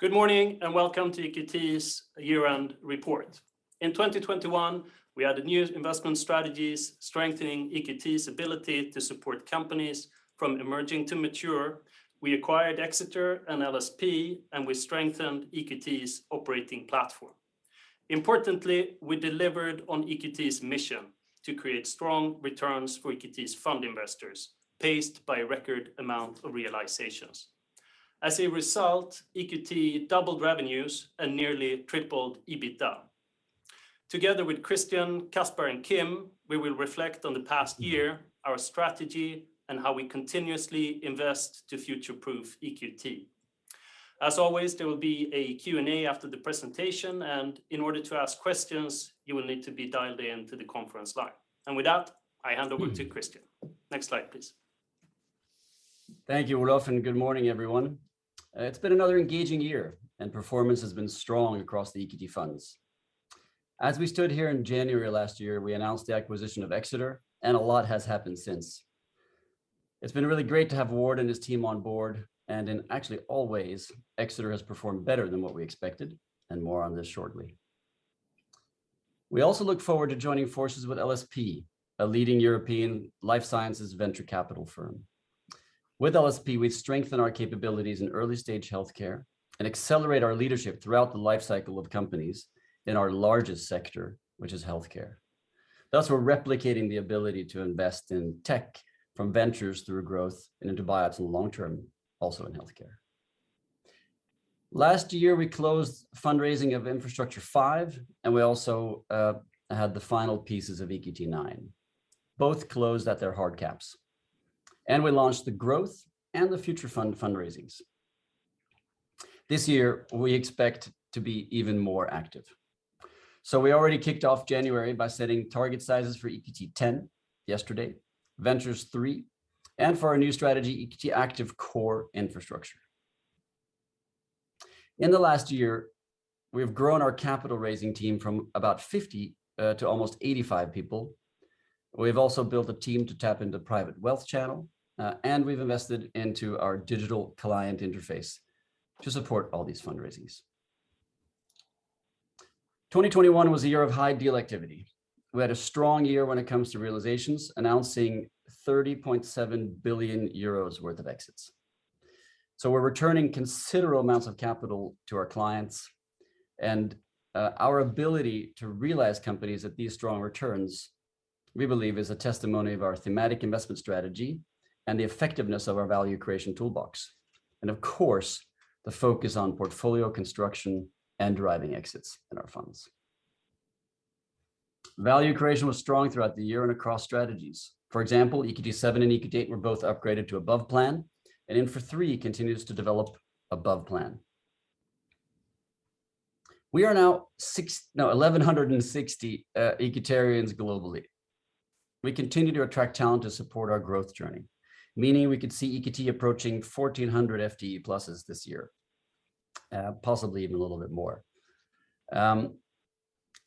Good morning, and welcome to EQT's year-end report. In 2021, we added new investment strategies strengthening EQT's ability to support companies from emerging to mature. We acquired Exeter and LSP, and we strengthened EQT's operating platform. Importantly, we delivered on EQT's mission to create strong returns for EQT's fund investors, paced by a record amount of realizations. As a result, EQT doubled revenues and nearly tripled EBITDA. Together with Christian, Caspar, and Kim, we will reflect on the past year, our strategy, and how we continuously invest to future-proof EQT. As always, there will be a Q&A after the presentation, and in order to ask questions, you will need to be dialed in to the conference line. With that, I hand over to Christian. Next slide, please. Thank you Olof, and good morning everyone. It's been another engaging year, and performance has been strong across the EQT funds. As we stood here in January of last year, we announced the acquisition of Exeter, and a lot has happened since. It's been really great to have Ward and his team on board, and in actually all ways, Exeter has performed better than what we expected, and more on this shortly. We also look forward to joining forces with LSP, a leading European life sciences venture capital firm. With LSP, we strengthen our capabilities in early stage healthcare and accelerate our leadership throughout the life cycle of companies in our largest sector, which is healthcare. Thus, we're replicating the ability to invest in tech from ventures through growth and into buyouts and long-term also in healthcare. Last year we closed fundraising of EQT Infrastructure V, and we also had the final pieces of EQT IX. Both closed at their hard caps. We launched the EQT Growth and EQT Future fundraisings. This year we expect to be even more active. We already kicked off January by setting target sizes for EQT X yesterday, EQT Ventures III, and for our new strategy, EQT Active Core Infrastructure. In the last year, we've grown our capital raising team from about 50 to almost 85 people. We've also built a team to tap into private wealth channel and we've invested into our digital client interface to support all these fundraisings. 2021 was a year of high deal activity. We had a strong year when it comes to realizations, announcing 30.7 billion euros worth of exits. We're returning considerable amounts of capital to our clients and our ability to realize companies at these strong returns, we believe is a testimony of our thematic investment strategy and the effectiveness of our value creation toolbox and of course, the focus on portfolio construction and driving exits in our funds. Value creation was strong throughout the year and across strategies. For example, EQT seven and EQT eight were both upgraded to above plan, and Infra three continues to develop above plan. We are now 1,160 EQTarians globally. We continue to attract talent to support our growth journey, meaning we could see EQT approaching 1,400 FTEs this year, possibly even a little bit more.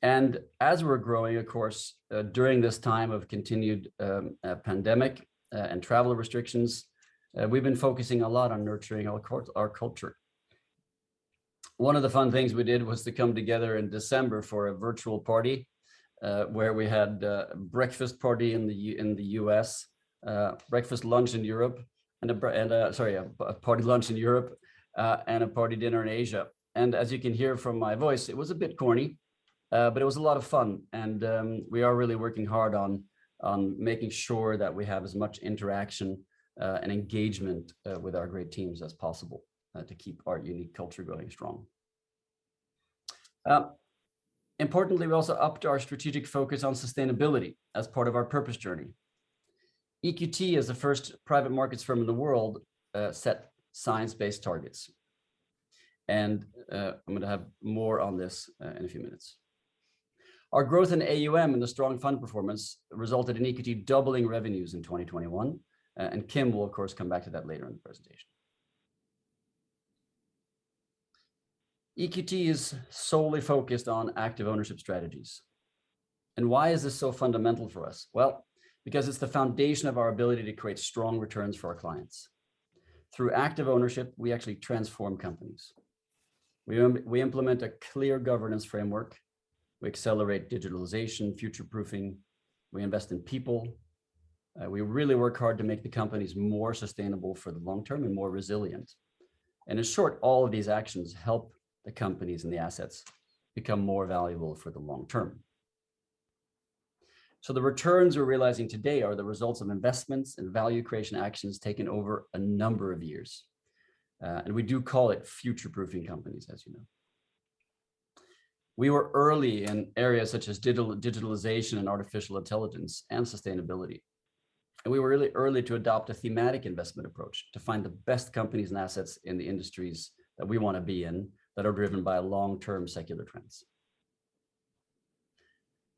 As we're growing, of course, during this time of continued pandemic and travel restrictions, we've been focusing a lot on nurturing our culture. One of the fun things we did was to come together in December for a virtual party, where we had a breakfast party in the US, breakfast, lunch in Europe, and a party lunch in Europe, and a party dinner in Asia. As you can hear from my voice, it was a bit corny, but it was a lot of fun and we are really working hard on making sure that we have as much interaction and engagement with our great teams as possible, to keep our unique culture really strong. Importantly, we also upped our strategic focus on sustainability as part of our purpose journey. EQT as the first private markets firm in the world set science-based targets. I'm gonna have more on this in a few minutes. Our growth in AUM and the strong fund performance resulted in EQT doubling revenues in 2021, and Kim will of course come back to that later in the presentation. EQT is solely focused on active ownership strategies. Why is this so fundamental for us? Well, because it's the foundation of our ability to create strong returns for our clients. Through active ownership, we actually transform companies. We implement a clear governance framework. We accelerate digitalization, future-proofing. We invest in people. We really work hard to make the companies more sustainable for the long term and more resilient. In short, all of these actions help the companies and the assets become more valuable for the long term. The returns we're realizing today are the results of investments and value creation actions taken over a number of years. We do call it future-proofing companies, as you know. We were early in areas such as digitalization and artificial intelligence and sustainability, and we were really early to adopt a thematic investment approach to find the best companies and assets in the industries that we wanna be in that are driven by long-term secular trends.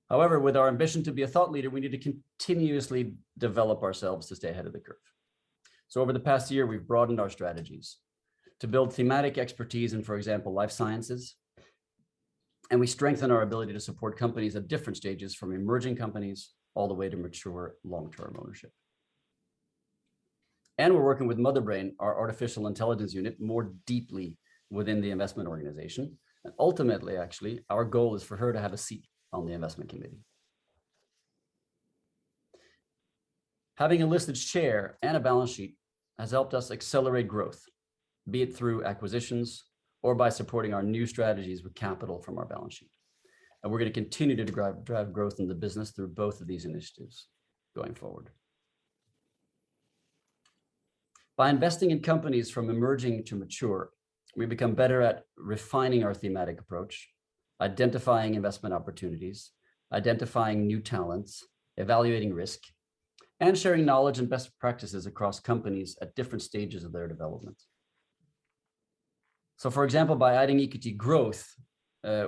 However, with our ambition to be a thought leader, we need to continuously develop ourselves to stay ahead of the curve. Over the past year we've broadened our strategies to build thematic expertise in, for example, life sciences. We strengthen our ability to support companies at different stages, from emerging companies all the way to mature long-term ownership. We're working with Motherbrain, our artificial intelligence unit, more deeply within the investment organization. Ultimately, actually, our goal is for her to have a seat on the investment committee. Having a listed share and a balance sheet has helped us accelerate growth, be it through acquisitions or by supporting our new strategies with capital from our balance sheet. We're gonna continue to drive growth in the business through both of these initiatives going forward. By investing in companies from emerging to mature, we become better at refining our thematic approach, identifying investment opportunities, identifying new talents, evaluating risk, and sharing knowledge and best practices across companies at different stages of their development. For example, by adding EQT Growth,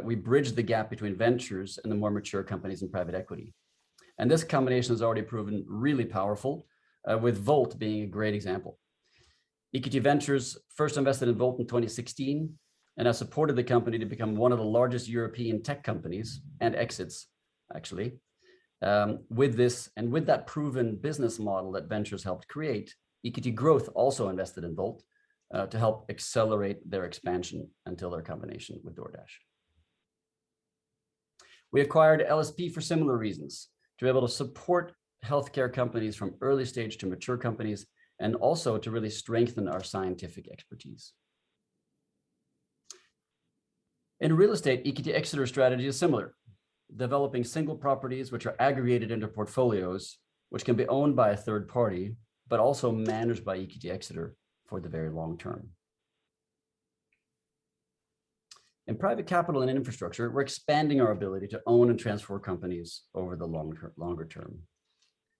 we bridge the gap between ventures and the more mature companies in private equity. This combination has already proven really powerful, with Wolt being a great example. EQT Ventures first invested in Wolt in 2016 and has supported the company to become one of the largest European tech companies and exits actually. With this and with that proven business model that Ventures helped create, EQT Growth also invested in Wolt, to help accelerate their expansion until their combination with DoorDash. We acquired LSP for similar reasons, to be able to support healthcare companies from early stage to mature companies, and also to really strengthen our scientific expertise. In real estate, EQT Exeter strategy is similar, developing single properties which are aggregated into portfolios, which can be owned by a third party, but also managed by EQT Exeter for the very long term. In private capital and infrastructure, we're expanding our ability to own and transfer companies over the longer term.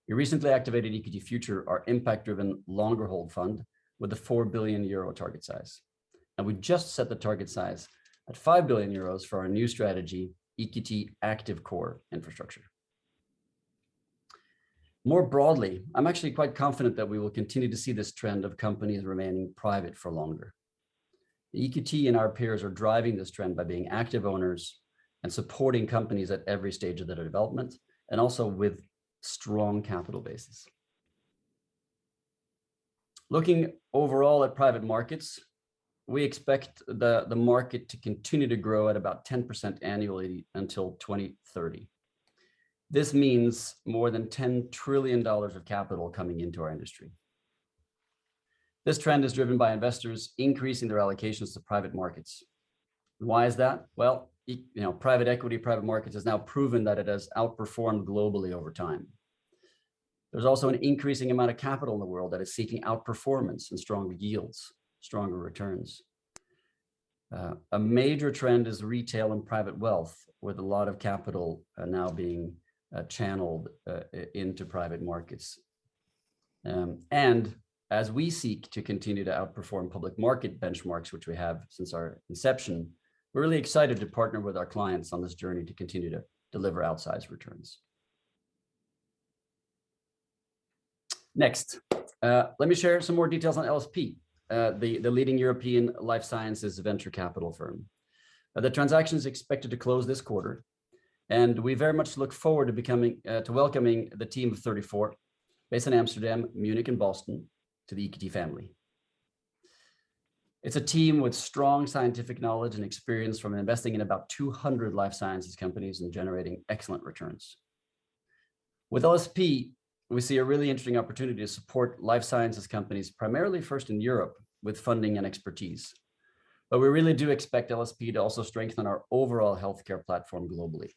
We recently activated EQT Future, our impact-driven longer hold fund with a 4 billion euro target size, and we just set the target size at 5 billion euros for our new strategy, EQT Active Core Infrastructure. More broadly, I'm actually quite confident that we will continue to see this trend of companies remaining private for longer. EQT and our peers are driving this trend by being active owners and supporting companies at every stage of their development, and also with strong capital bases. Looking overall at private markets, we expect the market to continue to grow at about 10% annually until 2030. This means more than $10 trillion of capital coming into our industry. This trend is driven by investors increasing their allocations to private markets. Why is that? Well, you know, private equity, private markets has now proven that it has outperformed globally over time. There's also an increasing amount of capital in the world that is seeking outperformance and stronger yields, stronger returns. A major trend is retail and private wealth with a lot of capital now being channeled into private markets. As we seek to continue to outperform public market benchmarks, which we have since our inception, we're really excited to partner with our clients on this journey to continue to deliver outsized returns. Next, let me share some more details on LSP, the leading European life sciences venture capital firm. The transaction is expected to close this quarter, and we very much look forward to welcoming the team of 34 based in Amsterdam, Munich, and Boston to the EQT family. It's a team with strong scientific knowledge and experience from investing in about 200 life sciences companies and generating excellent returns. With LSP, we see a really interesting opportunity to support life sciences companies primarily first in Europe with funding and expertise. We really do expect LSP to also strengthen our overall healthcare platform globally.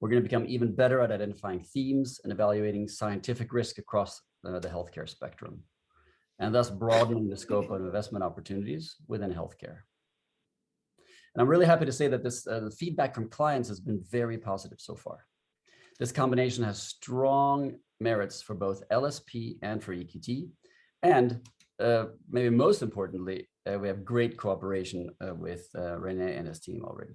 We're gonna become even better at identifying themes and evaluating scientific risk across the healthcare spectrum, and thus broadening the scope of investment opportunities within healthcare. I'm really happy to say that this, the feedback from clients has been very positive so far. This combination has strong merits for both LSP and for EQT, and maybe most importantly, we have great cooperation with René and his team already.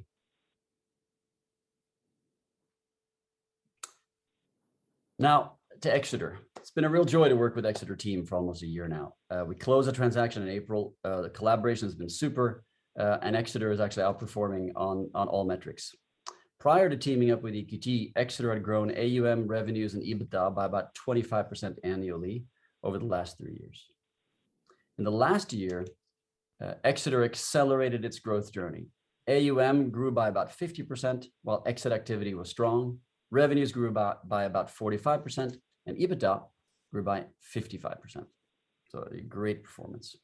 Now to Exeter. It's been a real joy to work with Exeter team for almost a year now. We closed the transaction in April. The collaboration has been super, and Exeter is actually outperforming on all metrics. Prior to teaming up with EQT, Exeter had grown AUM revenues and EBITDA by about 25% annually over the last three years. In the last year, Exeter accelerated its growth journey. AUM grew by about 50% while exit activity was strong. Revenues grew by about 45%, and EBITDA grew by 55%, so a great performance.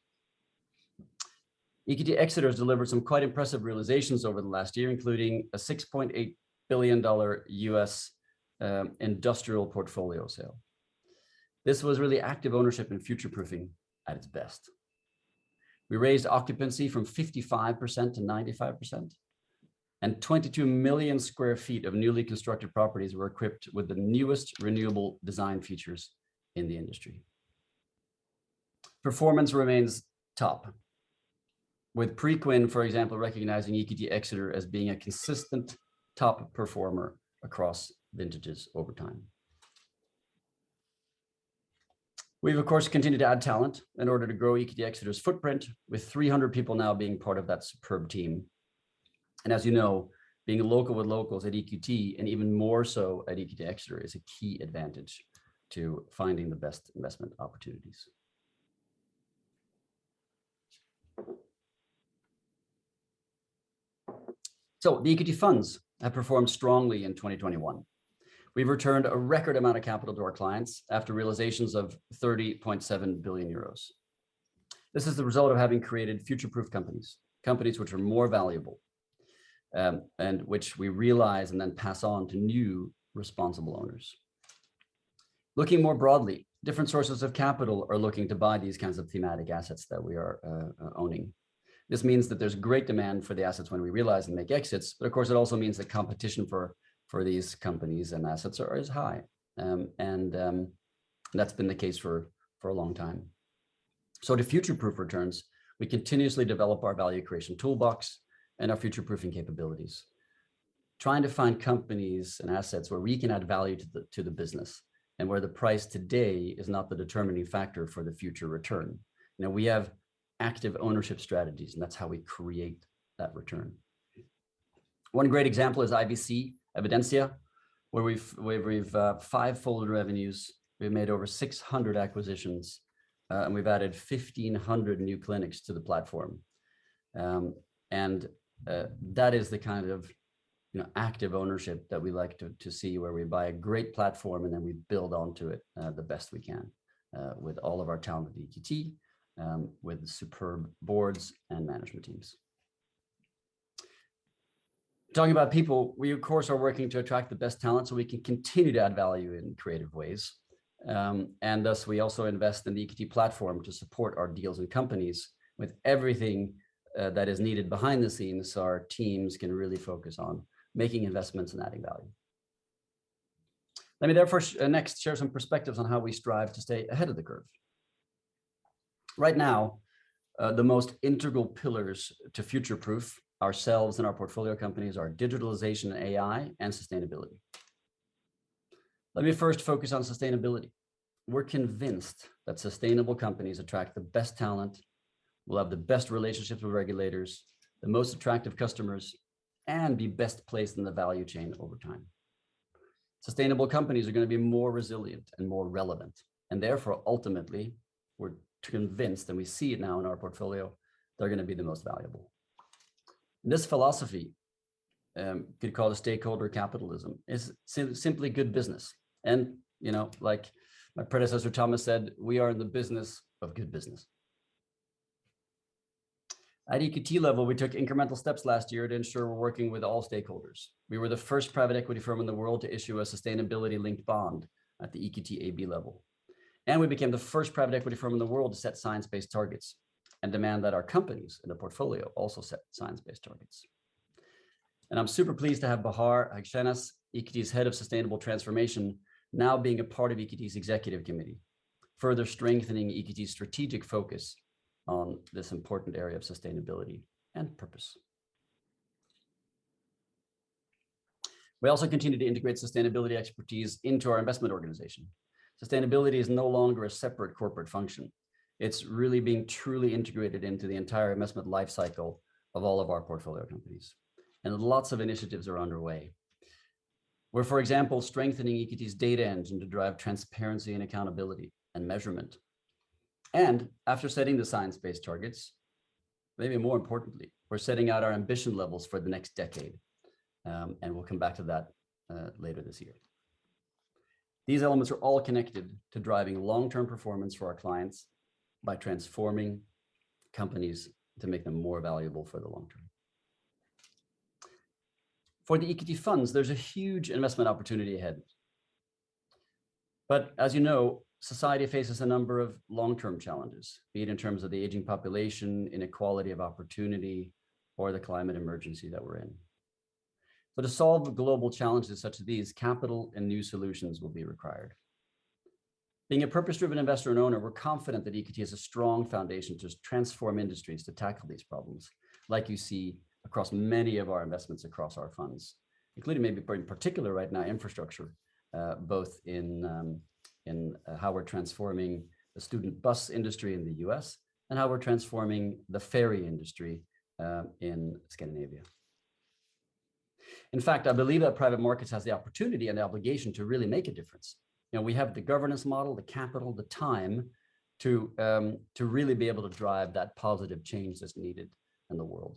EQT Exeter has delivered some quite impressive realizations over the last year, including a $6.8 billion U.S. industrial portfolio sale. This was really active ownership and future-proofing at its best. We raised occupancy from 55% to 95%, and 22 million sq ft of newly constructed properties were equipped with the newest renewable design features in the industry. Performance remains top with Preqin, for example, recognizing EQT Exeter as being a consistent top performer across vintages over time. We've of course continued to add talent in order to grow EQT Exeter's footprint with 300 people now being part of that superb team. As you know, being a local with locals at EQT, and even more so at EQT Exeter, is a key advantage to finding the best investment opportunities. The EQT funds have performed strongly in 2021. We've returned a record amount of capital to our clients after realizations of 30.7 billion euros. This is the result of having created future-proof companies which are more valuable, and which we realize and then pass on to new responsible owners. Looking more broadly, different sources of capital are looking to buy these kinds of thematic assets that we are owning. This means that there's great demand for the assets when we realize and make exits, but of course it also means that competition for these companies and assets are as high. That's been the case for a long time. To future-proof returns, we continuously develop our value creation toolbox and our future-proofing capabilities, trying to find companies and assets where we can add value to the business, and where the price today is not the determining factor for the future return. Now, we have active ownership strategies, and that's how we create that return. One great example is IVC Evidensia, where we've fivefold in revenues, we've made over 600 acquisitions, and we've added 1,500 new clinics to the platform. That is the kind of, you know, active ownership that we like to see where we buy a great platform, and then we build onto it, the best we can, with all of our talent at EQT, with superb boards and management teams. Talking about people, we of course are working to attract the best talent so we can continue to add value in creative ways. Thus we also invest in the EQT platform to support our deals and companies with everything that is needed behind the scenes so our teams can really focus on making investments and adding value. Let me therefore next share some perspectives on how we strive to stay ahead of the curve. Right now, the most integral pillars to future-proof ourselves and our portfolio companies are digitalization and AI and sustainability. Let me first focus on sustainability. We're convinced that sustainable companies attract the best talent, will have the best relationships with regulators, the most attractive customers, and be best placed in the value chain over time. Sustainable companies are gonna be more resilient and more relevant, and therefore, ultimately, we're convinced, and we see it now in our portfolio, they're gonna be the most valuable. This philosophy, you could call it stakeholder capitalism, is simply good business. You know, like my predecessor Thomas said, we are in the business of good business. At EQT level, we took incremental steps last year to ensure we're working with all stakeholders. We were the first private equity firm in the world to issue a sustainability-linked bond at the EQT AB level. We became the first private equity firm in the world to set science-based targets and demand that our companies in the portfolio also set science-based targets. I'm super pleased to have Bahare Haghshenas, EQT's head of sustainable transformation, now being a part of EQT's executive committee, further strengthening EQT's strategic focus on this important area of sustainability and purpose. We also continue to integrate sustainability expertise into our investment organization. Sustainability is no longer a separate corporate function. It's really being truly integrated into the entire investment life cycle of all of our portfolio companies, and lots of initiatives are underway. We're, for example, strengthening EQT's data engine to drive transparency and accountability and measurement. After setting the science-based targets, maybe more importantly, we're setting out our ambition levels for the next decade, and we'll come back to that later this year. These elements are all connected to driving long-term performance for our clients by transforming companies to make them more valuable for the long term. For the EQT funds, there's a huge investment opportunity ahead. As you know, society faces a number of long-term challenges, be it in terms of the aging population, inequality of opportunity, or the climate emergency that we're in. To solve global challenges such as these, capital and new solutions will be required. Being a purpose-driven investor and owner, we're confident that EQT has a strong foundation to transform industries to tackle these problems like you see across many of our investments across our funds, including in particular right now, infrastructure, both in how we're transforming the student bus industry in the U.S. and how we're transforming the ferry industry in Scandinavia. In fact, I believe that private markets has the opportunity and the obligation to really make a difference. You know, we have the governance model, the capital, the time to really be able to drive that positive change that's needed in the world.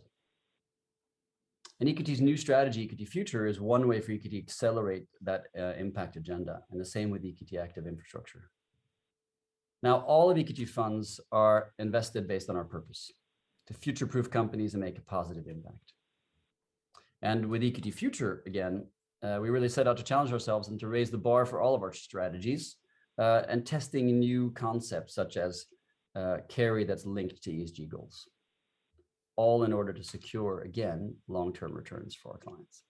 EQT's new strategy, EQT Future, is one way for EQT to accelerate that impact agenda, and the same with EQT Active Infrastructure. Now, all of EQT funds are invested based on our purpose, to future-proof companies and make a positive impact. With EQT Future, again, we really set out to challenge ourselves and to raise the bar for all of our strategies, and testing new concepts such as carry that's linked to ESG goals, all in order to secure, again, long-term returns for our clients.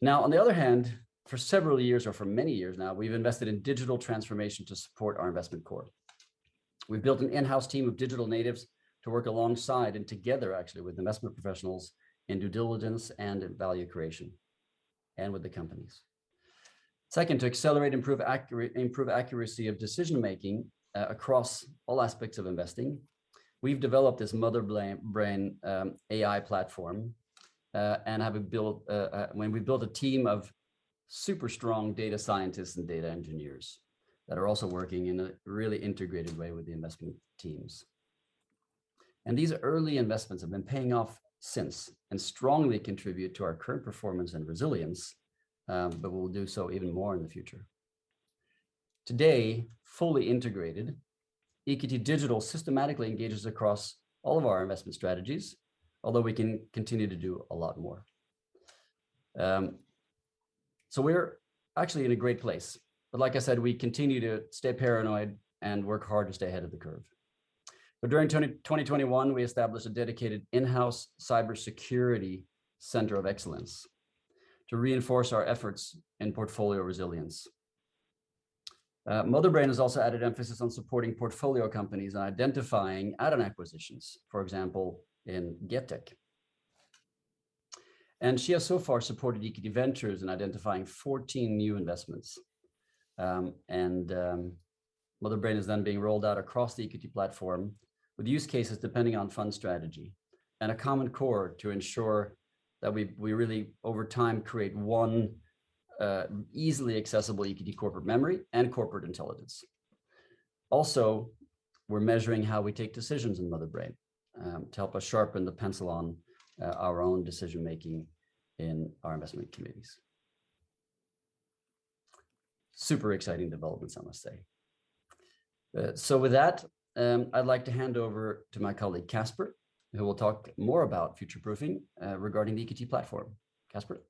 Now, on the other hand, for several years or for many years now, we've invested in digital transformation to support our investment core. We've built an in-house team of digital natives to work alongside and together actually with investment professionals in due diligence and in value creation and with the companies. Second, to accelerate improve accuracy of decision-making across all aspects of investing, we've developed this Motherbrain AI platform, and we built a team of super strong data scientists and data engineers that are also working in a really integrated way with the investment teams. These early investments have been paying off since and strongly contribute to our current performance and resilience, but will do so even more in the future. Today, fully integrated, EQT Digital systematically engages across all of our investment strategies although we can continue to do a lot more. We're actually in a great place. Like I said, we continue to stay paranoid and work hard to stay ahead of the curve. During 2021, we established a dedicated in-house cybersecurity center of excellence to reinforce our efforts in portfolio resilience. Motherbrain has also added emphasis on supporting portfolio companies on identifying add-on acquisitions, for example, in GETEC. She has so far supported EQT Ventures in identifying 14 new investments. Motherbrain is then being rolled out across the EQT platform with use cases depending on fund strategy and a common core to ensure that we really over time create one easily accessible EQT corporate memory and corporate intelligence. We're measuring how we take decisions in Motherbrain, to help us sharpen the pencil on, our own decision-making in our investment committees. Super exciting developments, I must say. With that, I'd like to hand over to my colleague Caspar, who will talk more about future-proofing, regarding the EQT platform. Caspar.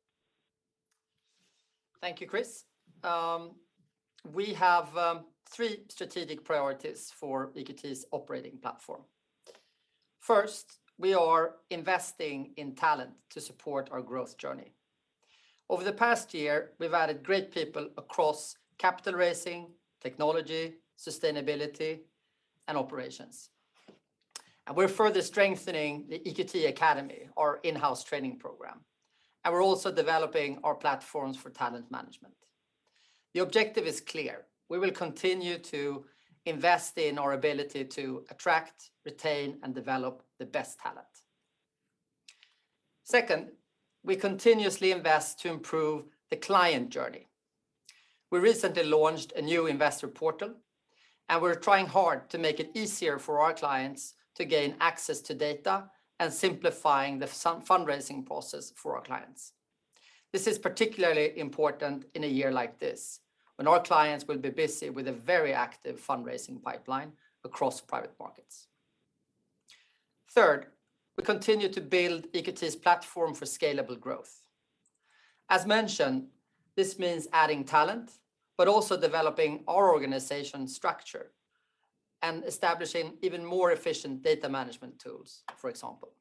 Thank you, Chris. We have three strategic priorities for EQT's operating platform. First, we are investing in talent to support our growth journey. Over the past year, we've added great people across capital raising, technology, sustainability, and operations. We're further strengthening the EQT Academy, our in-house training program, and we're also developing our platforms for talent management. The objective is clear. We will continue to invest in our ability to attract, retain, and develop the best talent. Second, we continuously invest to improve the client journey. We recently launched a new investor portal, and we're trying hard to make it easier for our clients to gain access to data and simplifying the fundraising process for our clients. This is particularly important in a year like this when our clients will be busy with a very active fundraising pipeline across private markets. Third, we continue to build EQT's platform for scalable growth. As mentioned, this means adding talent but also developing our organization structure and establishing even more efficient data management tools, for example.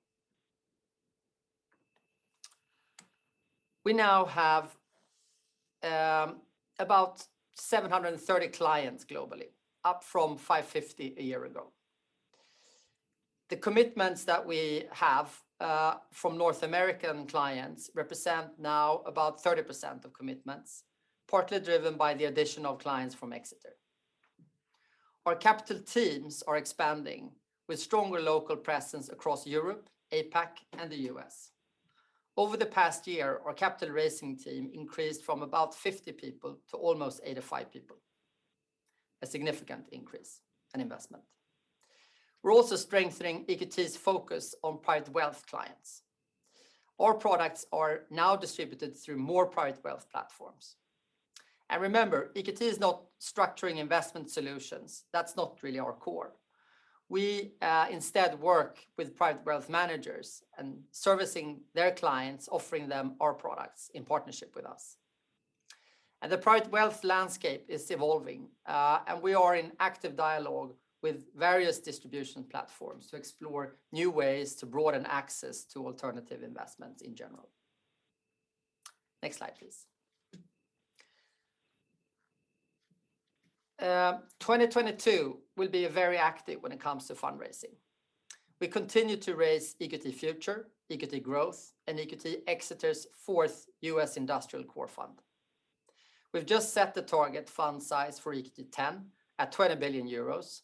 We now have about 730 clients globally, up from 550 a year ago. The commitments that we have from North American clients represent now about 30% of commitments, partly driven by the addition of clients from Exeter. Our capital teams are expanding with stronger local presence across Europe, APAC, and the U.S. Over the past year, our capital raising team increased from about 50 people to almost 85 people, a significant increase and investment. We're also strengthening EQT's focus on private wealth clients. Our products are now distributed through more private wealth platforms. Remember, EQT is not structuring investment solutions. That's not really our core. We instead work with private wealth managers and servicing their clients, offering them our products in partnership with us. The private wealth landscape is evolving, and we are in active dialogue with various distribution platforms to explore new ways to broaden access to alternative investments in general. Next slide, please. 2022 will be very active when it comes to fundraising. We continue to raise EQT Future, EQT Growth, and EQT Exeter's fourth U.S. Industrial Core Fund. We've just set the target fund size for EQT X at 20 billion euros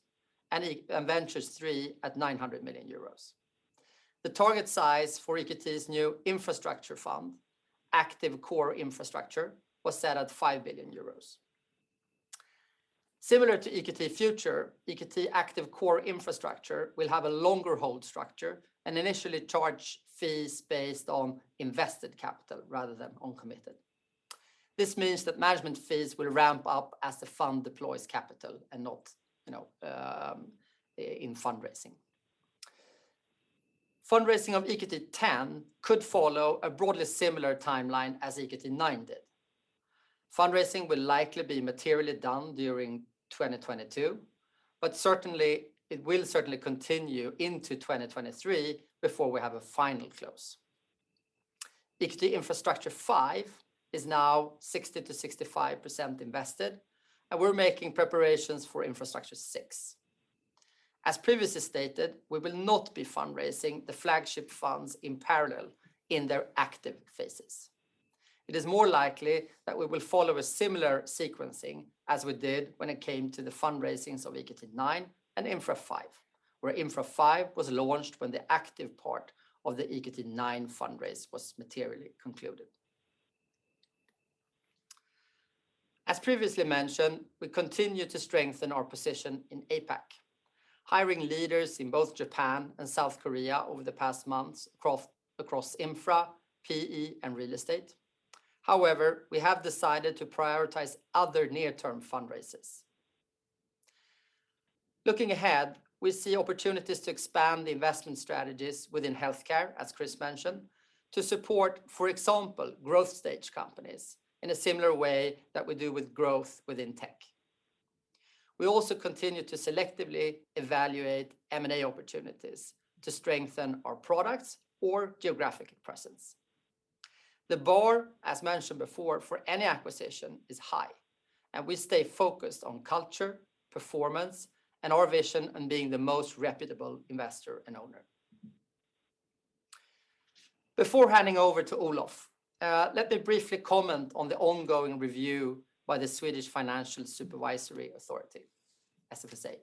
and EQT Ventures III at 900 million euros. The target size for EQT's new infrastructure fund, Active Core Infrastructure, was set at 5 billion euros. Similar to EQT Future, EQT Active Core Infrastructure will have a longer hold structure and initially charge fees based on invested capital rather than on committed. This means that management fees will ramp up as the fund deploys capital and not, you know, in fundraising. Fundraising of EQT X could follow a broadly similar timeline as EQT IX did. Fundraising will likely be materially done during 2022, but certainly, it will certainly continue into 2023 before we have a final close. EQT Infrastructure V is now 60%-65% invested, and we're making preparations for Infrastructure VI. As previously stated, we will not be fundraising the flagship funds in parallel in their active phases. It is more likely that we will follow a similar sequencing as we did when it came to the fundraisings of EQT IX and Infra V, where Infra V was launched when the active part of the EQT IX fundraise was materially concluded. As previously mentioned, we continue to strengthen our position in APAC, hiring leaders in both Japan and South Korea over the past months across Infra, PE, and real estate. However, we have decided to prioritize other near-term fundraisers. Looking ahead, we see opportunities to expand the investment strategies within healthcare, as Chris mentioned, to support, for example, growth stage companies in a similar way that we do with growth within tech. We also continue to selectively evaluate M&A opportunities to strengthen our products or geographic presence. The bar, as mentioned before, for any acquisition is high, and we stay focused on culture, performance, and our vision on being the most reputable investor and owner. Before handing over to Olof, let me briefly comment on the ongoing review by the Swedish Financial Supervisory Authority, SFSA,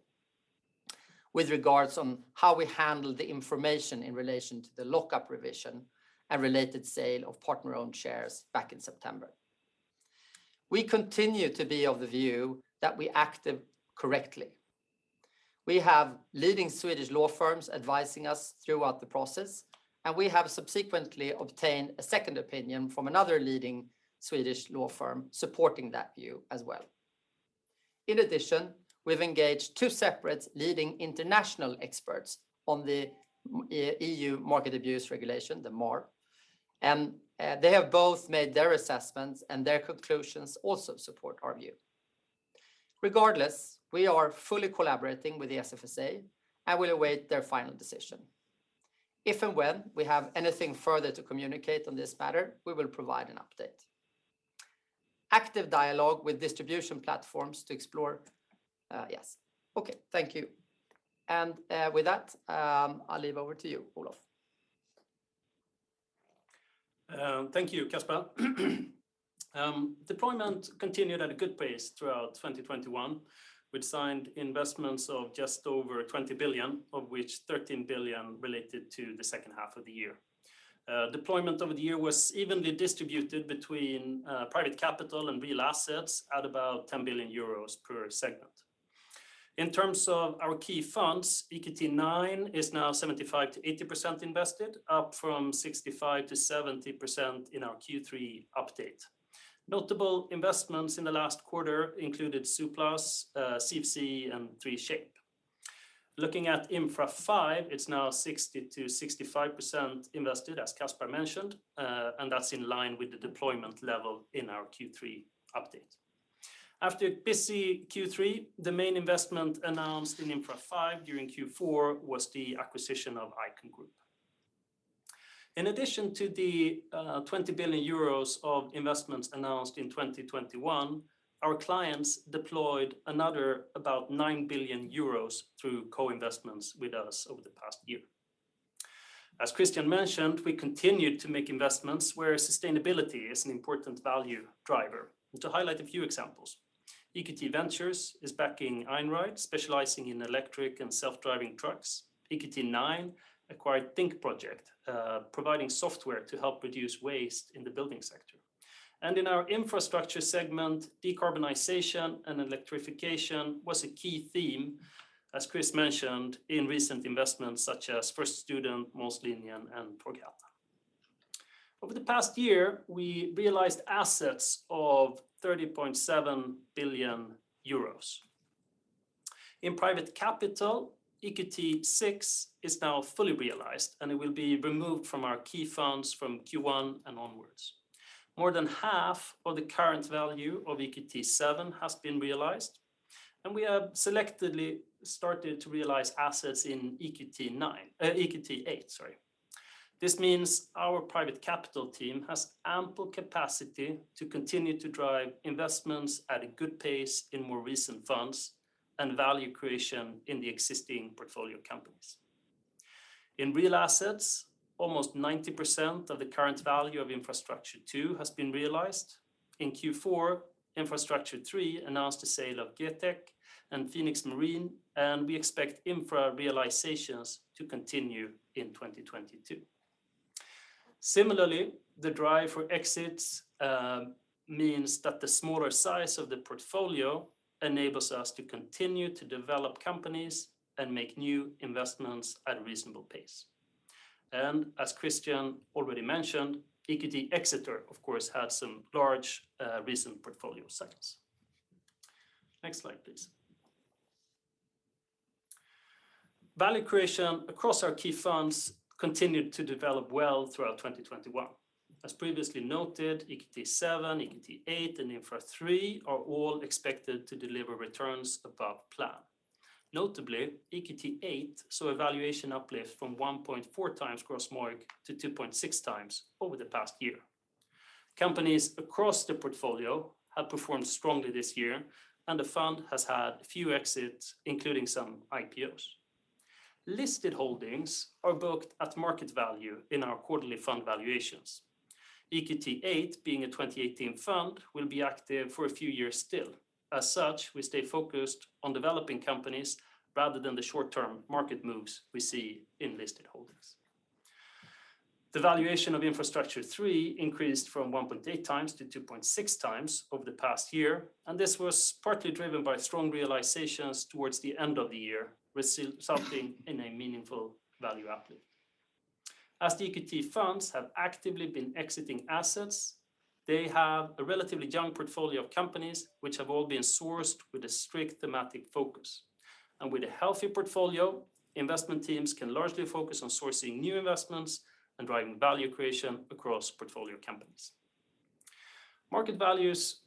with regards on how we handle the information in relation to the lock-up revision and related sale of partner-owned shares back in September. We continue to be of the view that we acted correctly. We have leading Swedish law firms advising us throughout the process, and we have subsequently obtained a second opinion from another leading Swedish law firm supporting that view as well. In addition, we've engaged two separate leading international experts on the EU market abuse regulation, the MAR, and they have both made their assessments, and their conclusions also support our view. Regardless, we are fully collaborating with the SFSA and will await their final decision. If and when we have anything further to communicate on this matter, we will provide an update. Active dialogue with distribution platforms to explore. Yes. Okay. Thank you. With that, I'll hand over to you, Olof. Thank you, Caspar. Deployment continued at a good pace throughout 2021. We'd signed investments of just over 20 billion, of which 13 billion related to the second half of the year. Deployment over the year was evenly distributed between private capital and real assets at about 10 billion euros per segment. In terms of our key funds, EQT IX is now 75%-80% invested, up from 65%-70% in our Q3 update. Notable investments in the last quarter included Suplas, CFC, and 3Shape. Looking at Infra V, it's now 60%-65% invested, as Caspar mentioned, and that's in line with the deployment level in our Q3 update. After a busy Q3, the main investment announced in Infra V during Q4 was the acquisition of Icon Group. In addition to the twenty billion euros of investments announced in 2021, our clients deployed another about nine billion euros through co-investments with us over the past year. As Christian mentioned, we continued to make investments where sustainability is an important value driver. To highlight a few examples, EQT Ventures is backing Einride, specializing in electric and self-driving trucks. EQT IX acquired thinkproject, providing software to help reduce waste in the building sector. In our infrastructure segment, decarbonization and electrification was a key theme, as Chris mentioned, in recent investments such as First Student, Molslinjen, and Progal. Over the past year, we realized assets of thirty point seven billion euros. In private capital, EQT VI is now fully realized, and it will be removed from our key funds from Q1 and onwards. More than half of the current value of EQT VII has been realized, and we have selectively started to realize assets in EQT VIII. This means our private capital team has ample capacity to continue to drive investments at a good pace in more recent funds and value creation in the existing portfolio companies. In real assets, almost 90% of the current value of EQT Infrastructure II has been realized. In Q4, EQT Infrastructure III announced the sale of GETEC and Phoenix Marine, and we expect Infra realizations to continue in 2022. Similarly, the drive for exits means that the smaller size of the portfolio enables us to continue to develop companies and make new investments at a reasonable pace. As Christian already mentioned, EQT Exeter, of course, had some large recent portfolio sales. Next slide, please. Value creation across our key funds continued to develop well throughout 2021. As previously noted, EQT VII, EQT VIII, and EQT Infrastructure III are all expected to deliver returns above plan. Notably, EQT VIII saw a valuation uplift from 1.4x gross MOIC to 2.6x over the past year. Companies across the portfolio have performed strongly this year, and the fund has had a few exits, including some IPOs. Listed holdings are booked at market value in our quarterly fund valuations. EQT VIII being a 2018 fund will be active for a few years still. As such, we stay focused on developing companies rather than the short-term market moves we see in listed holdings. The valuation of Infrastructure III increased from 1.8 times to 2.6 times over the past year, and this was partly driven by strong realizations towards the end of the year, resulting in a meaningful value uplift. As the EQT funds have actively been exiting assets, they have a relatively young portfolio of companies which have all been sourced with a strict thematic focus. With a healthy portfolio, investment teams can largely focus on sourcing new investments and driving value creation across portfolio companies. Market values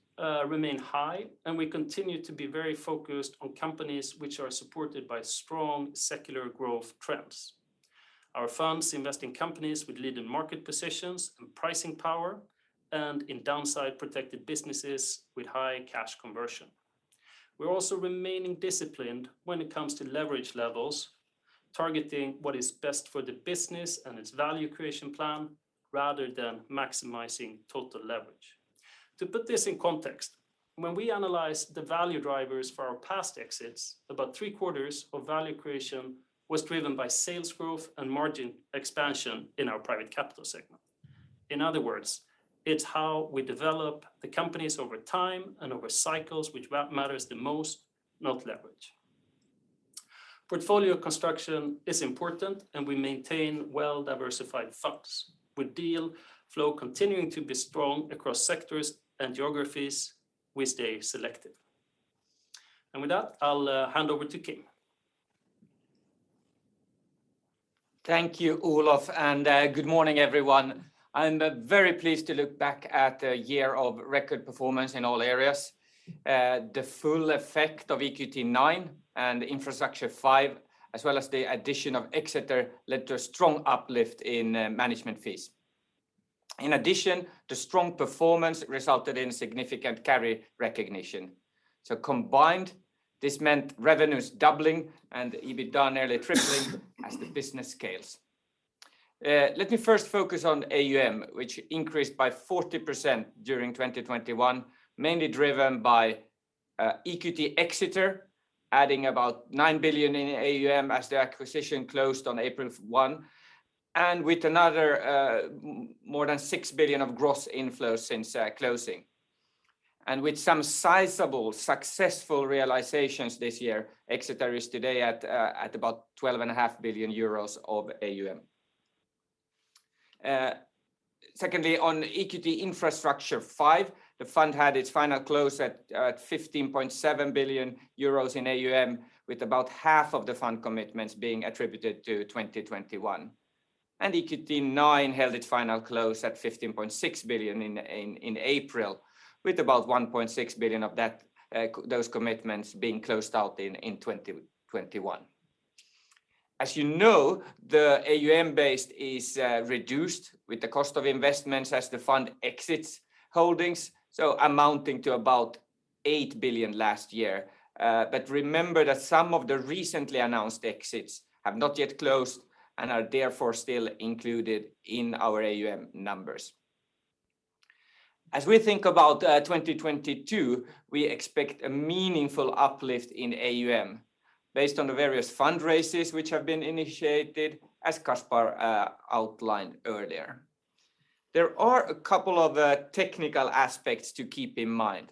remain high, and we continue to be very focused on companies which are supported by strong secular growth trends. Our funds invest in companies with leading market positions and pricing power and in downside protected businesses with high cash conversion. We're also remaining disciplined when it comes to leverage levels, targeting what is best for the business and its value creation plan rather than maximizing total leverage. To put this in context, when we analyze the value drivers for our past exits, about three-quarters of value creation was driven by sales growth and margin expansion in our private capital segment. In other words, it's how we develop the companies over time and over cycles which matters the most, not leverage. Portfolio construction is important, and we maintain well-diversified funds. With deal flow continuing to be strong across sectors and geographies, we stay selective. With that, I'll hand over to Kim. Thank you, Olof, and good morning, everyone. I'm very pleased to look back at a year of record performance in all areas. The full effect of EQT IX and Infrastructure V as well as the addition of EQT Exeter led to a strong uplift in management fees. In addition, the strong performance resulted in significant carry recognition. Combined, this meant revenues doubling and EBITDA nearly tripling as the business scales. Let me first focus on AUM, which increased by 40% during 2021, mainly driven by EQT Exeter adding about 9 billion in AUM as the acquisition closed on April 1 and with another more than 6 billion of gross inflows since closing. With some sizable successful realizations this year, Exeter is today at about 12.5 billion euros of AUM. Secondly, on EQT Infrastructure V, the fund had its final close at 15.7 billion euros in AUM, with about half of the fund commitments being attributed to 2021. EQT IX held its final close at 15.6 billion in April, with about 1.6 billion of that, those commitments being closed out in 2021. As you know, the AUM base is reduced with the cost of investments as the fund exits holdings, so amounting to about 8 billion last year. But remember that some of the recently announced exits have not yet closed and are therefore still included in our AUM numbers. As we think about 2022, we expect a meaningful uplift in AUM based on the various fundraises which have been initiated as Caspar outlined earlier. There are a couple of technical aspects to keep in mind.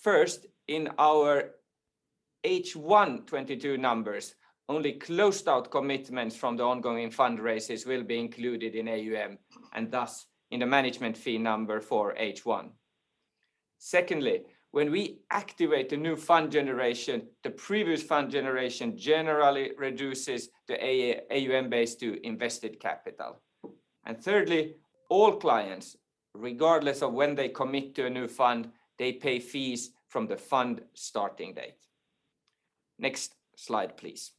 First, in our H1 2022 numbers, only closed out commitments from the ongoing fundraises will be included in AUM and thus in the management fee number for H1. Secondly, when we activate a new fund generation, the previous fund generation generally reduces the AUM base to invested capital. And thirdly, all clients, regardless of when they commit to a new fund, they pay fees from the fund starting date. Next slide, please.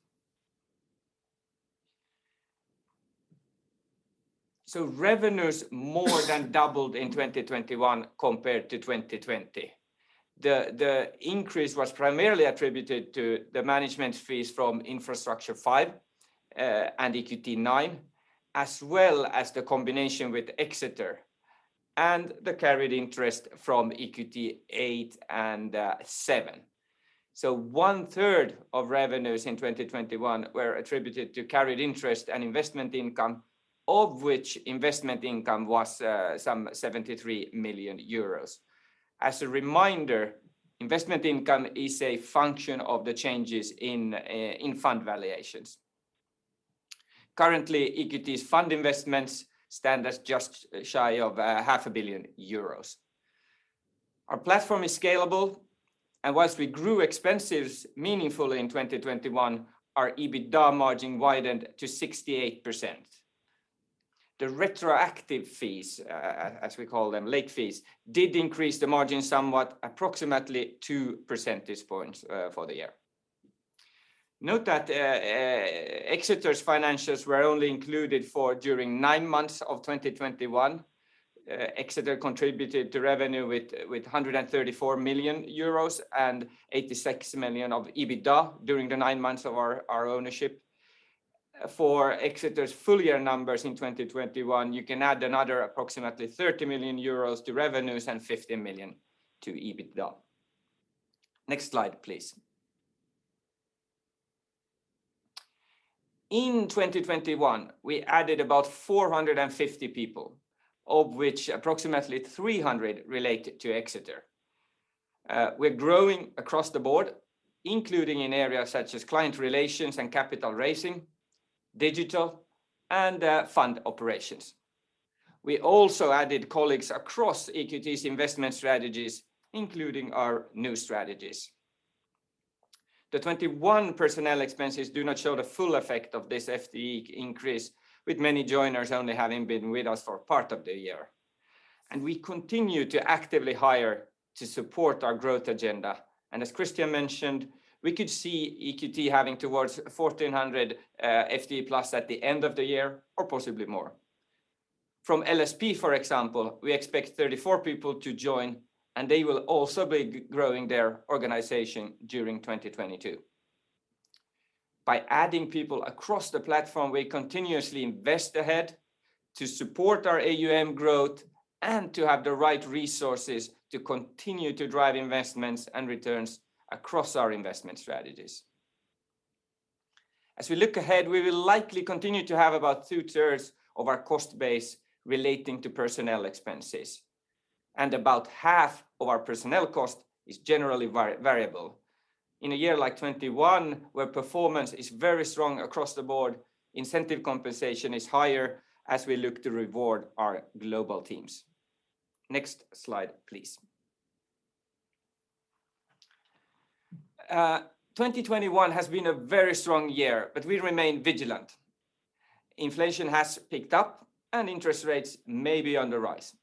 Revenues more than doubled in 2021 compared to 2020. The increase was primarily attributed to the management fees from Infrastructure V and EQT IX, as well as the combination with Exeter and the carried interest from EQT VIII and VII. One-third of revenues in 2021 were attributed to carried interest and investment income, of which investment income was some 73 million euros. As a reminder, investment income is a function of the changes in fund valuations. Currently, EQT's fund investments stand at just shy of half a billion euros. Our platform is scalable, and while we grew expenses meaningfully in 2021, our EBITDA margin widened to 68%. The retroactive fees, as we call them, late fees, did increase the margin somewhat, approximately two percentage points, for the year. Note that Exeter's financials were only included during nine months of 2021. Exeter contributed to revenue with 134 million euros and 86 million of EBITDA during the nine months of our ownership. For Exeter's full year numbers in 2021, you can add another approximately 30 million euros to revenues and 50 million to EBITDA. Next slide, please. In 2021, we added about 450 people, of which approximately 300 related to Exeter. We're growing across the board, including in areas such as client relations and capital raising, digital, and fund operations. We also added colleagues across EQT's investment strategies, including our new strategies. The 2021 personnel expenses do not show the full effect of this FTE increase, with many joiners only having been with us for part of the year. We continue to actively hire to support our growth agenda. As Christian mentioned, we could see EQT having towards 1,400 FTE plus at the end of the year or possibly more. From LSP, for example, we expect 34 people to join, and they will also be growing their organization during 2022. By adding people across the platform, we continuously invest ahead to support our AUM growth and to have the right resources to continue to drive investments and returns across our investment strategies. As we look ahead, we will likely continue to have about two-thirds of our cost base relating to personnel expenses, and about half of our personnel cost is generally variable. In a year like 2021, where performance is very strong across the board, incentive compensation is higher as we look to reward our global teams. Next slide, please. 2021 has been a very strong year, but we remain vigilant. Inflation has picked up and interest rates may be on the rise.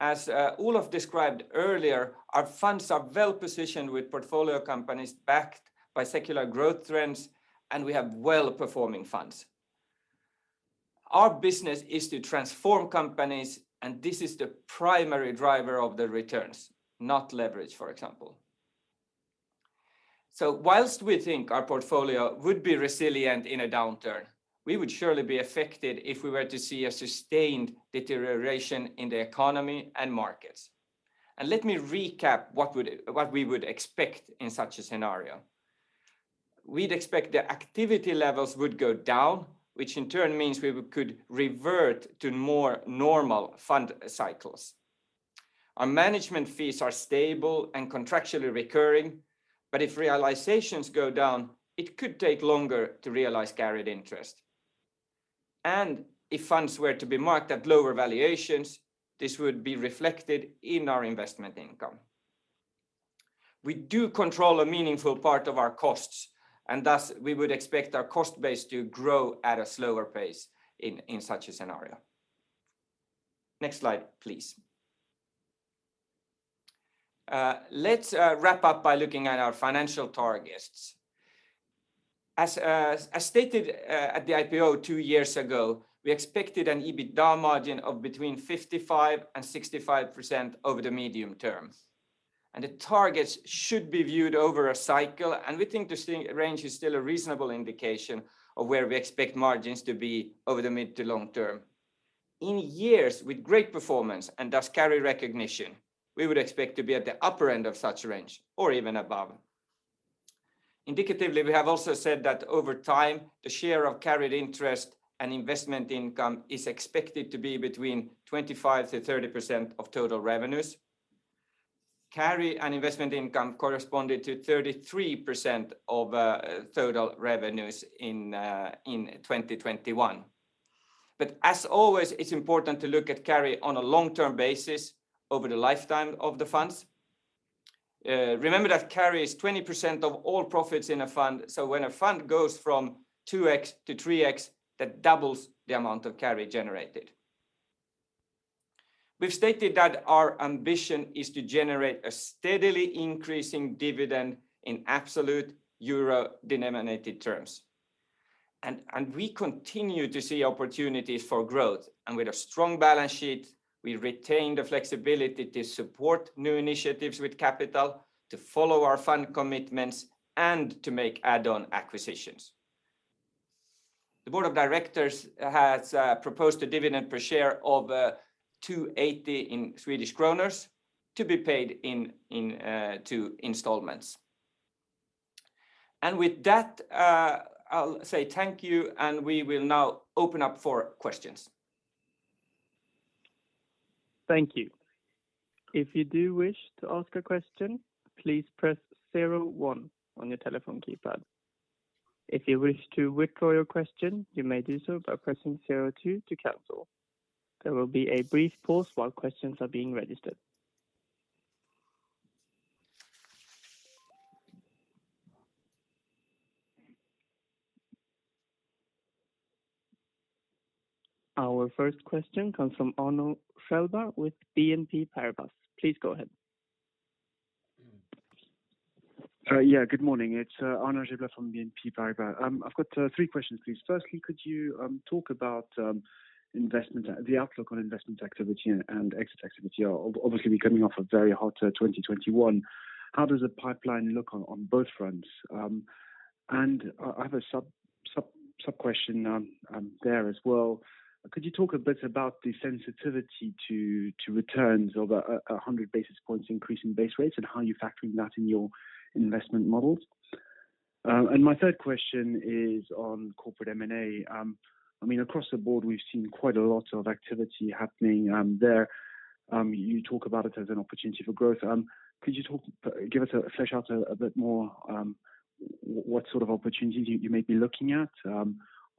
As Olof described earlier, our funds are well positioned with portfolio companies backed by secular growth trends, and we have well-performing funds. Our business is to transform companies, and this is the primary driver of the returns, not leverage, for example. While we think our portfolio would be resilient in a downturn, we would surely be affected if we were to see a sustained deterioration in the economy and markets. Let me recap what we would expect in such a scenario. We'd expect the activity levels would go down, which in turn means we could revert to more normal fund cycles. Our management fees are stable and contractually recurring, but if realizations go down, it could take longer to realize carried interest. If funds were to be marked at lower valuations, this would be reflected in our investment income. We do control a meaningful part of our costs, and thus we would expect our cost base to grow at a slower pace in such a scenario. Next slide, please. Let's wrap up by looking at our financial targets. As stated at the IPO two years ago, we expected an EBITDA margin of between 55% and 65% over the medium term. The targets should be viewed over a cycle, and we think this range is still a reasonable indication of where we expect margins to be over the mid to long term. In years with great performance and thus carry recognition, we would expect to be at the upper end of such range or even above. Indicatively, we have also said that over time, the share of carried interest and investment income is expected to be between 25%-30% of total revenues. Carry and investment income corresponded to 33% of total revenues in 2021. As always, it's important to look at carry on a long-term basis over the lifetime of the funds. Remember that carry is 20% of all profits in a fund. When a fund goes from 2x-3x, that doubles the amount of carry generated. We've stated that our ambition is to generate a steadily increasing dividend in absolute euro-denominated terms. We continue to see opportunities for growth. With a strong balance sheet, we retain the flexibility to support new initiatives with capital, to follow our fund commitments, and to make add-on acquisitions. The board of directors has proposed a dividend per share of 2.80 in Swedish kronor to be paid in 2 installments. With that, I'll say thank you, and we will now open up for questions. Our first question comes from Arnaud Giblat with BNP Paribas. Please go ahead. Good morning. It's Arnaud Giblat from BNP Paribas. I've got three questions, please. Firstly, could you talk about the outlook on investment activity and exit activity? Obviously, we're coming off a very hot 2021. How does the pipeline look on both fronts? I have a subquestion on there as well. Could you talk a bit about the sensitivity to returns over a 100 basis points increase in base rates, and how you're factoring that in your investment models? My third question is on corporate M&A. I mean, across the board, we've seen quite a lot of activity happening there. You talk about it as an opportunity for growth. Could you talk, give us a... Flesh out a bit more what sort of opportunities you may be looking at?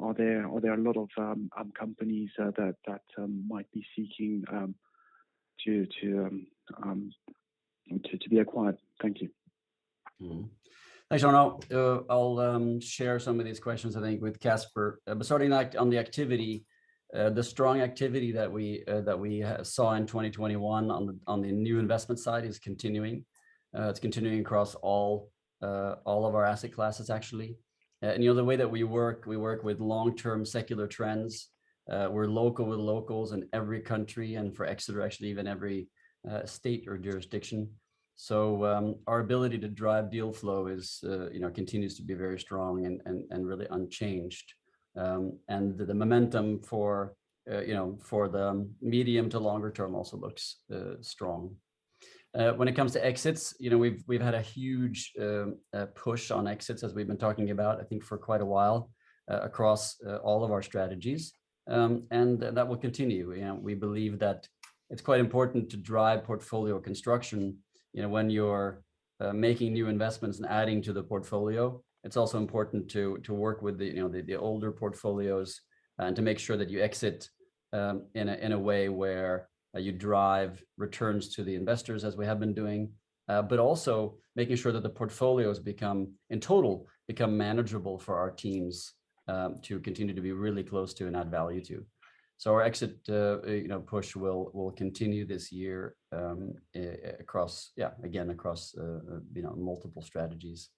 Are there a lot of companies that might be seeking to be acquired? Thank you. Thanks, Arnaud. I'll share some of these questions, I think, with Caspar. Starting on the activity, the strong activity that we saw in 2021 on the new investment side is continuing. It's continuing across all of our asset classes, actually. You know, the way that we work, we work with long-term secular trends. We're local with locals in every country, and for Exeter, actually, even every state or jurisdiction. Our ability to drive deal flow, you know, continues to be very strong and really unchanged. The momentum for, you know, for the medium to longer term also looks strong. When it comes to exits, you know, we've had a huge push on exits as we've been talking about, I think, for quite a while, across all of our strategies. That will continue. You know, we believe that it's quite important to drive portfolio construction, you know, when you're making new investments and adding to the portfolio. It's also important to work with the older portfolios and to make sure that you exit in a way where you drive returns to the investors as we have been doing, but also making sure that the portfolios become in total manageable for our teams to continue to be really close to and add value to. Our exit, you know, push will continue this year across. Yeah, again, across you know, multiple strategies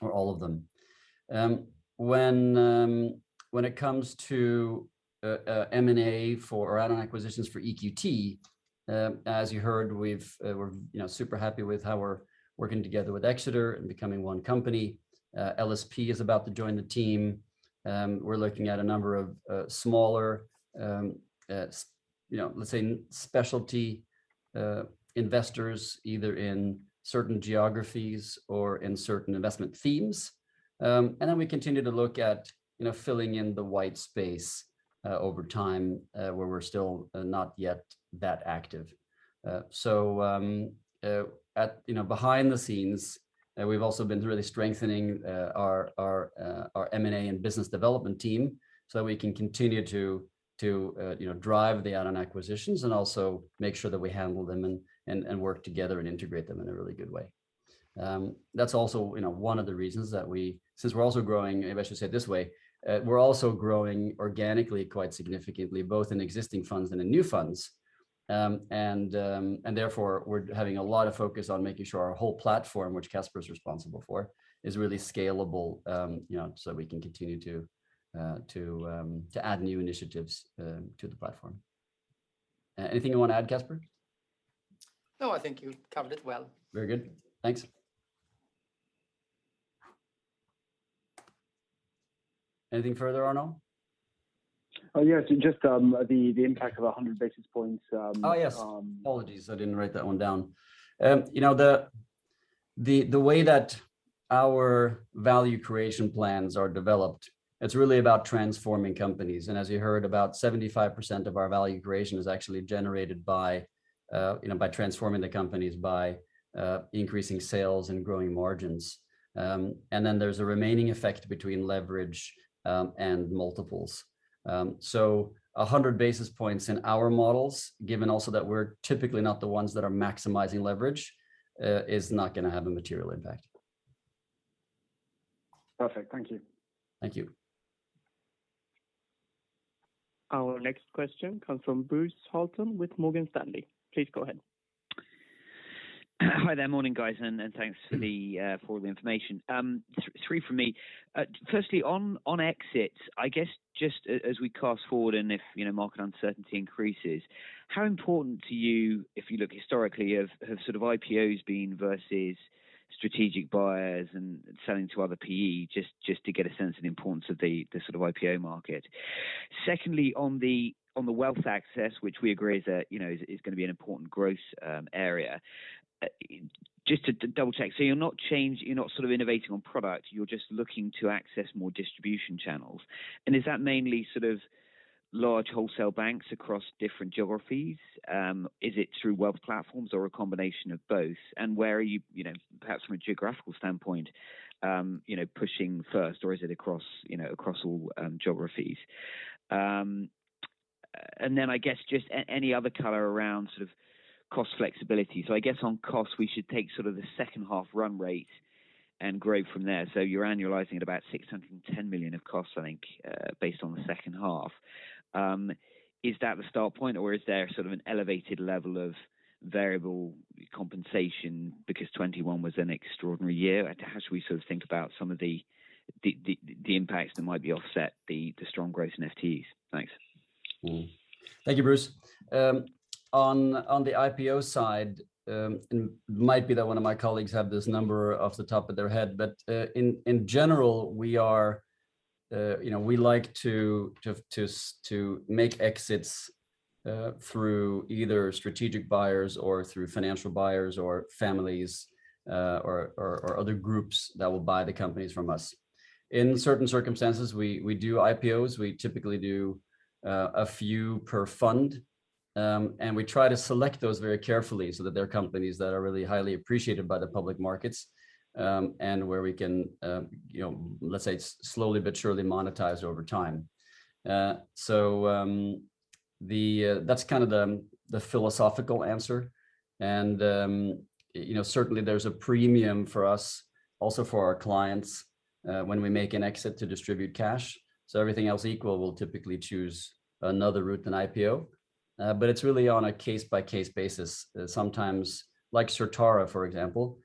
or all of them. When it comes to M&A for add-on acquisitions for EQT, as you heard, we're you know, super happy with how we're working together with Exeter and becoming one company. LSP is about to join the team. We're looking at a number of smaller, you know, let's say specialty investors, either in certain geographies or in certain investment themes. We continue to look at, you know, filling in the white space over time, where we're still not yet that active. Behind the scenes, we've also been really strengthening our M&A and business development team so that we can continue to, you know, drive the add-on acquisitions and also make sure that we handle them and work together and integrate them in a really good way. That's also, you know, one of the reasons. Maybe I should say it this way. We're also growing organically quite significantly, both in existing funds and in new funds. Therefore, we're having a lot of focus on making sure our whole platform, which Caspar is responsible for, is really scalable, you know, so we can continue to add new initiatives to the platform. Anything you wanna add, Caspar? No, I think you covered it well. Very good. Thanks. Anything further, Arnaud? Yes. Just the impact of 100 basis points Oh, yes. Um- Apologies, I didn't write that one down. You know, the way that our value creation plans are developed, it's really about transforming companies. As you heard, about 75% of our value creation is actually generated by, you know, by transforming the companies by increasing sales and growing margins. Then there's a remaining effect between leverage and multiples. A hundred basis points in our models, given also that we're typically not the ones that are maximizing leverage, is not gonna have a material impact. Perfect. Thank you. Thank you. Our next question comes from Bruce Hamilton with Morgan Stanley. Please go ahead. Hi there. Morning, guys, and thanks for all the information. Three from me. Firstly, on exits, I guess just as we cast forward and if, you know, market uncertainty increases, how important to you, if you look historically, have sort of IPOs been versus strategic buyers and selling to other PE, just to get a sense of the importance of the sort of IPO market? Secondly, on the wealth access, which we agree is, you know, is gonna be an important growth area, just to double-check. You'll not change. You're not sort of innovating on product, you're just looking to access more distribution channels. Is that mainly sort of large wholesale banks across different geographies? Is it through wealth platforms or a combination of both? Where are you know, perhaps from a geographical standpoint, pushing first, or is it across, you know, across all geographies? Then I guess just any other color around sort of cost flexibility. I guess on cost, we should take sort of the second half run rate and grow from there. You're annualizing at about 610 million of costs, I think, based on the second half. Is that the start point, or is there sort of an elevated level of variable compensation because 2021 was an extraordinary year? How should we sort of think about some of the impacts that might offset the strong growth in FTEs? Thanks. Mm-hmm. Thank you, Bruce. On the IPO side, and might be that one of my colleagues have this number off the top of their head, but in general, we are, you know, we like to make exits through either strategic buyers or through financial buyers or families, or other groups that will buy the companies from us. In certain circumstances, we do IPOs. We typically do a few per fund, and we try to select those very carefully so that they're companies that are really highly appreciated by the public markets, and where we can, you know, let's say slowly but surely monetize over time. So, the... That's kind of the philosophical answer and, you know, certainly there's a premium for us, also for our clients, when we make an exit to distribute cash. Everything else equal, we'll typically choose another route than IPO. It's really on a case-by-case basis. Sometimes, like Certara, for example,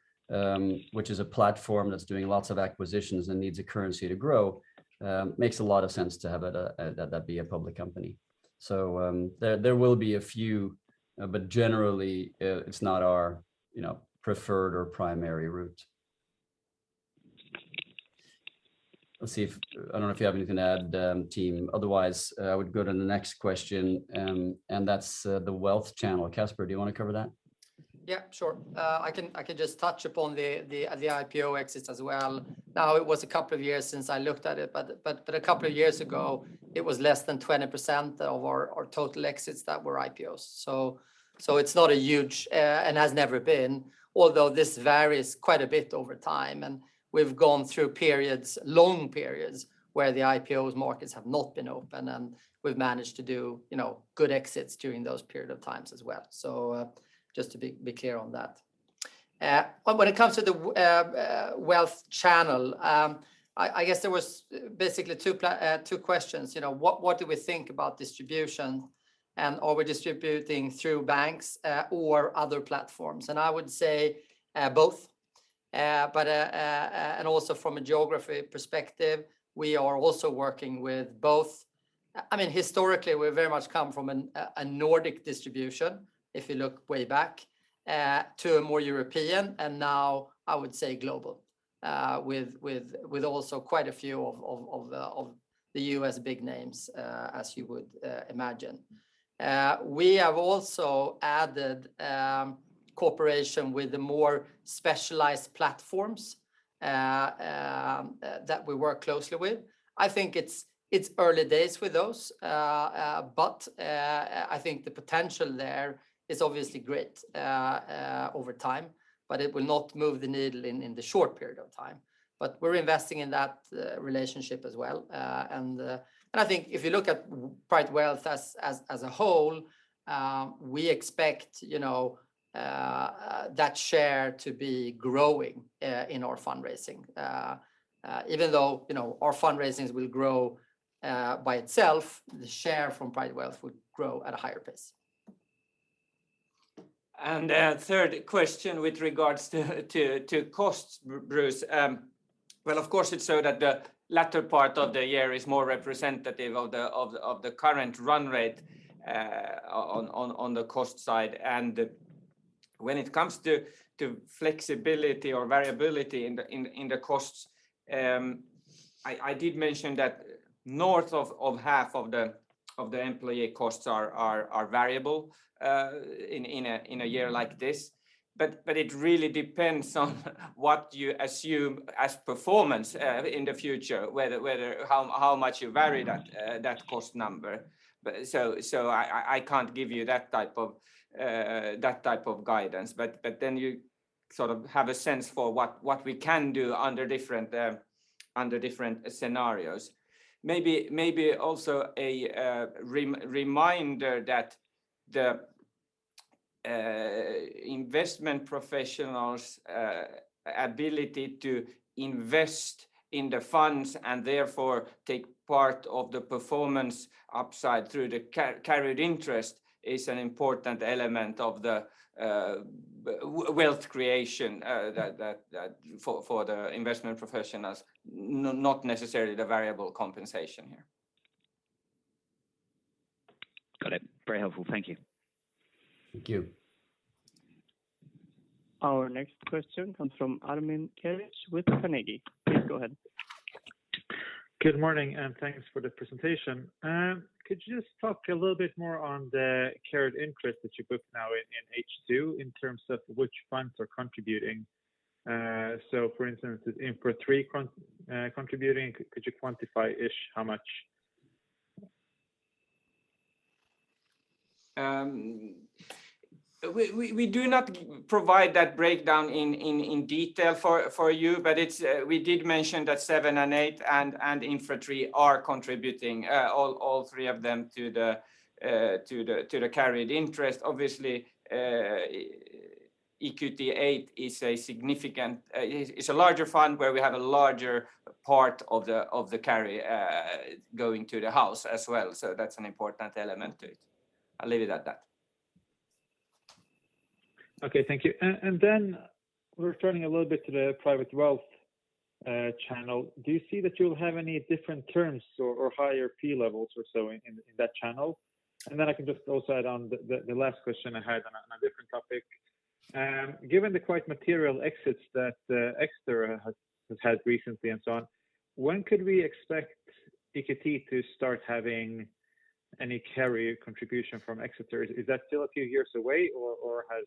which is a platform that's doing lots of acquisitions and needs a currency to grow, makes a lot of sense to have it, that be a public company. There will be a few, but generally, it's not our, you know, preferred or primary route. Let's see if I don't know if you have anything to add, team. Otherwise, I would go to the next question and that's the wealth channel. Caspar, do you wanna cover that? Yeah, sure. I can just touch upon the IPO exits as well. Now, it was a couple of years since I looked at it, but a couple of years ago, it was less than 20% of our total exits that were IPOs. It's not a huge, and has never been, although this varies quite a bit over time, and we've gone through periods, long periods, where the IPO markets have not been open, and we've managed to do, you know, good exits during those periods of time as well. Just to be clear on that. When it comes to the wealth channel, I guess there was basically two questions. You know, what do we think about distribution and are we distributing through banks or other platforms? I would say both. From a geography perspective, we are also working with both. I mean, historically, we very much come from a Nordic distribution, if you look way back to a more European, and now I would say global, with also quite a few of the U.S. big names, as you would imagine. We have also added cooperation with the more specialized platforms that we work closely with. I think it's early days with those, but I think the potential there is obviously great over time, but it will not move the needle in the short period of time. We're investing in that relationship as well. I think if you look at private wealth as a whole, we expect, you know, that share to be growing in our fundraising. Even though, you know, our fundraisings will grow by itself, the share from private wealth would grow at a higher pace. A third question with regards to costs, Bruce. Well, of course, it's so that the latter part of the year is more representative of the current run rate on the cost side. When it comes to flexibility or variability in the costs, I did mention that north of half of the employee costs are variable in a year like this. It really depends on what you assume as performance in the future, whether how much you vary that cost number. I can't give you that type of guidance, but then you sort of have a sense for what we can do under different scenarios. Maybe also a reminder that the investment professionals' ability to invest in the funds and therefore take part of the performance upside through the carried interest is an important element of the wealth creation for the investment professionals, not necessarily the variable compensation here. Got it. Very helpful. Thank you. Thank you. Our next question comes from Ermin Keric with Carnegie. Please go ahead. Good morning, and thanks for the presentation. Could you just talk a little bit more on the carried interest that you booked now in H2 in terms of which funds are contributing? So for instance, is Infra III contributing? Could you quantify-ish how much? We do not provide that breakdown in detail for you, but we did mention that seven and eight and Infrastructure are contributing all three of them to the carried interest. Obviously, EQT VIII is a significant. It's a larger fund where we have a larger part of the carry going to the house as well. That's an important element to it. I'll leave it at that. Okay. Thank you. Then returning a little bit to the private wealth channel, do you see that you'll have any different terms or higher fee levels or so in that channel? I can just also add on the last question I had on a different topic. Given the quite material exits that Exeter has had recently and so on, when could we expect EQT to start having any carry contribution from Exeter? Is that still a few years away or has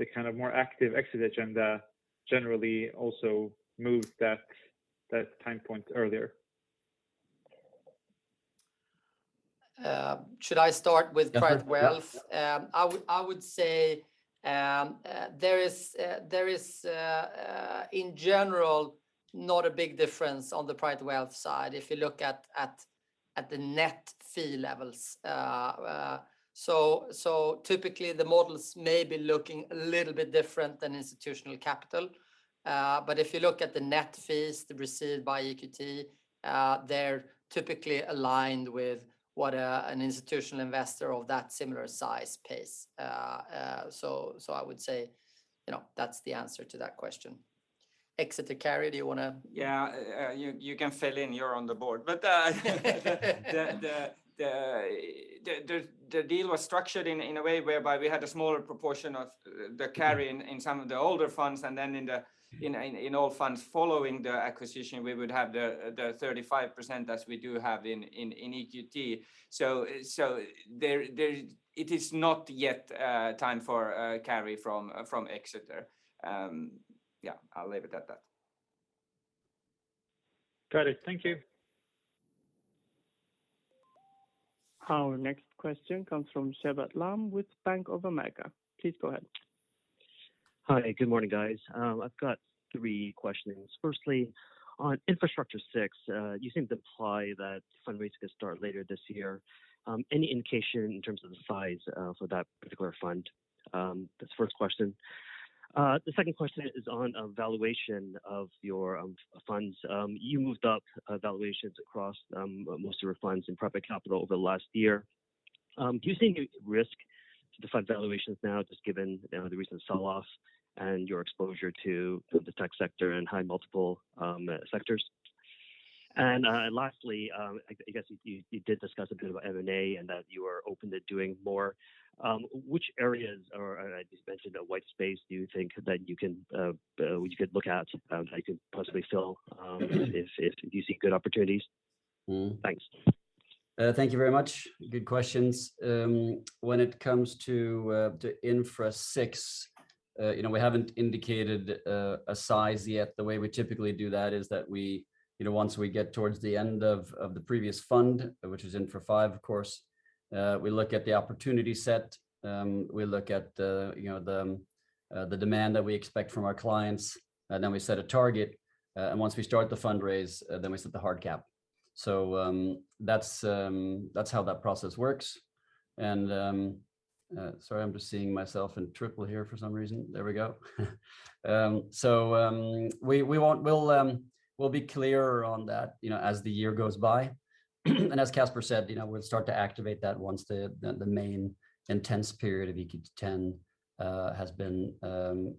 the kind of more active exit agenda generally also moved that time point earlier? Should I start with private wealth? I would say there is in general not a big difference on the private wealth side if you look at the net fee levels. Typically the models may be looking a little bit different than institutional capital. If you look at the net fees received by EQT, they're typically aligned with what an institutional investor of that similar size pays. I would say, you know, that's the answer to that question. Exeter carry, do you wanna- Yeah. You can fill in, you're on the board. The deal was structured in a way whereby we had a smaller proportion of the carry in some of the older funds, and then in all funds following the acquisition, we would have the 35% as we do have in EQT. It is not yet time for carry from Exeter. Yeah. I'll leave it at that. Got it. Thank you. Our next question comes from Hubert Lam with Bank of America. Please go ahead. Hi. Good morning, guys. I've got three questions. Firstly, on Infrastructure VI, you seem to imply that fundraising could start later this year. Any indication in terms of the size for that particular fund? That's the first question. The second question is on valuation of your funds. You moved up valuations across most of your funds in private capital over the last year. Do you see any risk to the fund valuations now, just given, you know, the recent sell-offs and your exposure to the tech sector and high multiple sectors? Lastly, I guess you did discuss a bit about M&A and that you are open to doing more. Which areas or you mentioned a white space do you think that you could look at, how you could possibly fill if you see good opportunities? Mm-hmm. Thanks. Thank you very much. Good questions. When it comes to Infra VI, you know, we haven't indicated a size yet. The way we typically do that is that we, you know, once we get towards the end of the previous fund, which is Infra V, of course, we look at the opportunity set, we look at the, you know, the demand that we expect from our clients, and then we set a target. Once we start the fundraise, then we set the hard cap. That's how that process works. Sorry, I'm just seeing myself in triple here for some reason. There we go. So, we'll be clearer on that, you know, as the year goes by. As Caspar said, you know, we'll start to activate that once the main intense period of EQT X has been,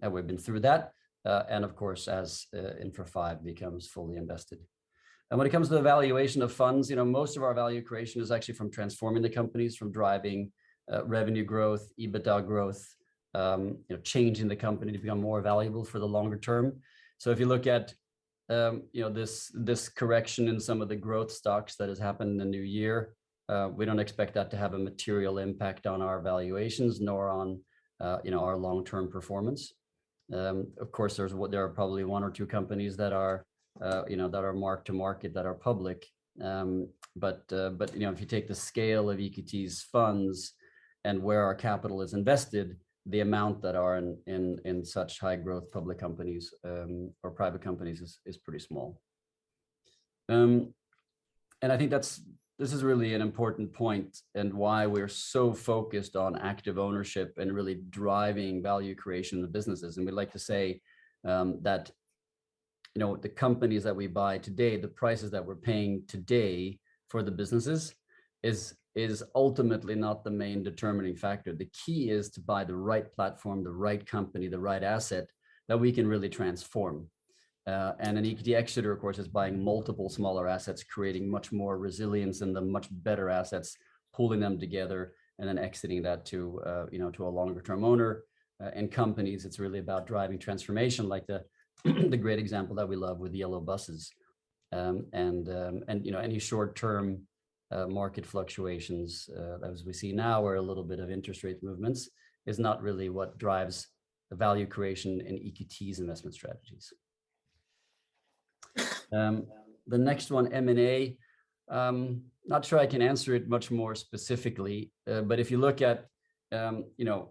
we've been through that, and of course, as Infra V becomes fully invested. When it comes to the valuation of funds, you know, most of our value creation is actually from transforming the companies from driving revenue growth, EBITDA growth, you know, changing the company to become more valuable for the longer term. If you look at this correction in some of the growth stocks that has happened in the new year, we don't expect that to have a material impact on our valuations nor on our long-term performance. Of course, there are probably one or two companies that are, you know, that are mark to market that are public. But, you know, if you take the scale of EQT's funds and where our capital is invested, the amount that are in such high growth public companies or private companies is pretty small. I think this is really an important point and why we're so focused on active ownership and really driving value creation of businesses. We'd like to say, you know, the companies that we buy today, the prices that we're paying today for the businesses is ultimately not the main determining factor. The key is to buy the right platform, the right company, the right asset that we can really transform. In EQT Exeter, of course, is buying multiple smaller assets, creating much more resilience and the much better assets, pulling them together, and then exiting that to, you know, to a longer term owner. In companies, it's really about driving transformation like the great example that we love with yellow buses. You know, any short-term market fluctuations, as we see now or a little bit of interest rate movements is not really what drives the value creation in EQT's investment strategies. The next one, M&A, not sure I can answer it much more specifically. If you look at, you know,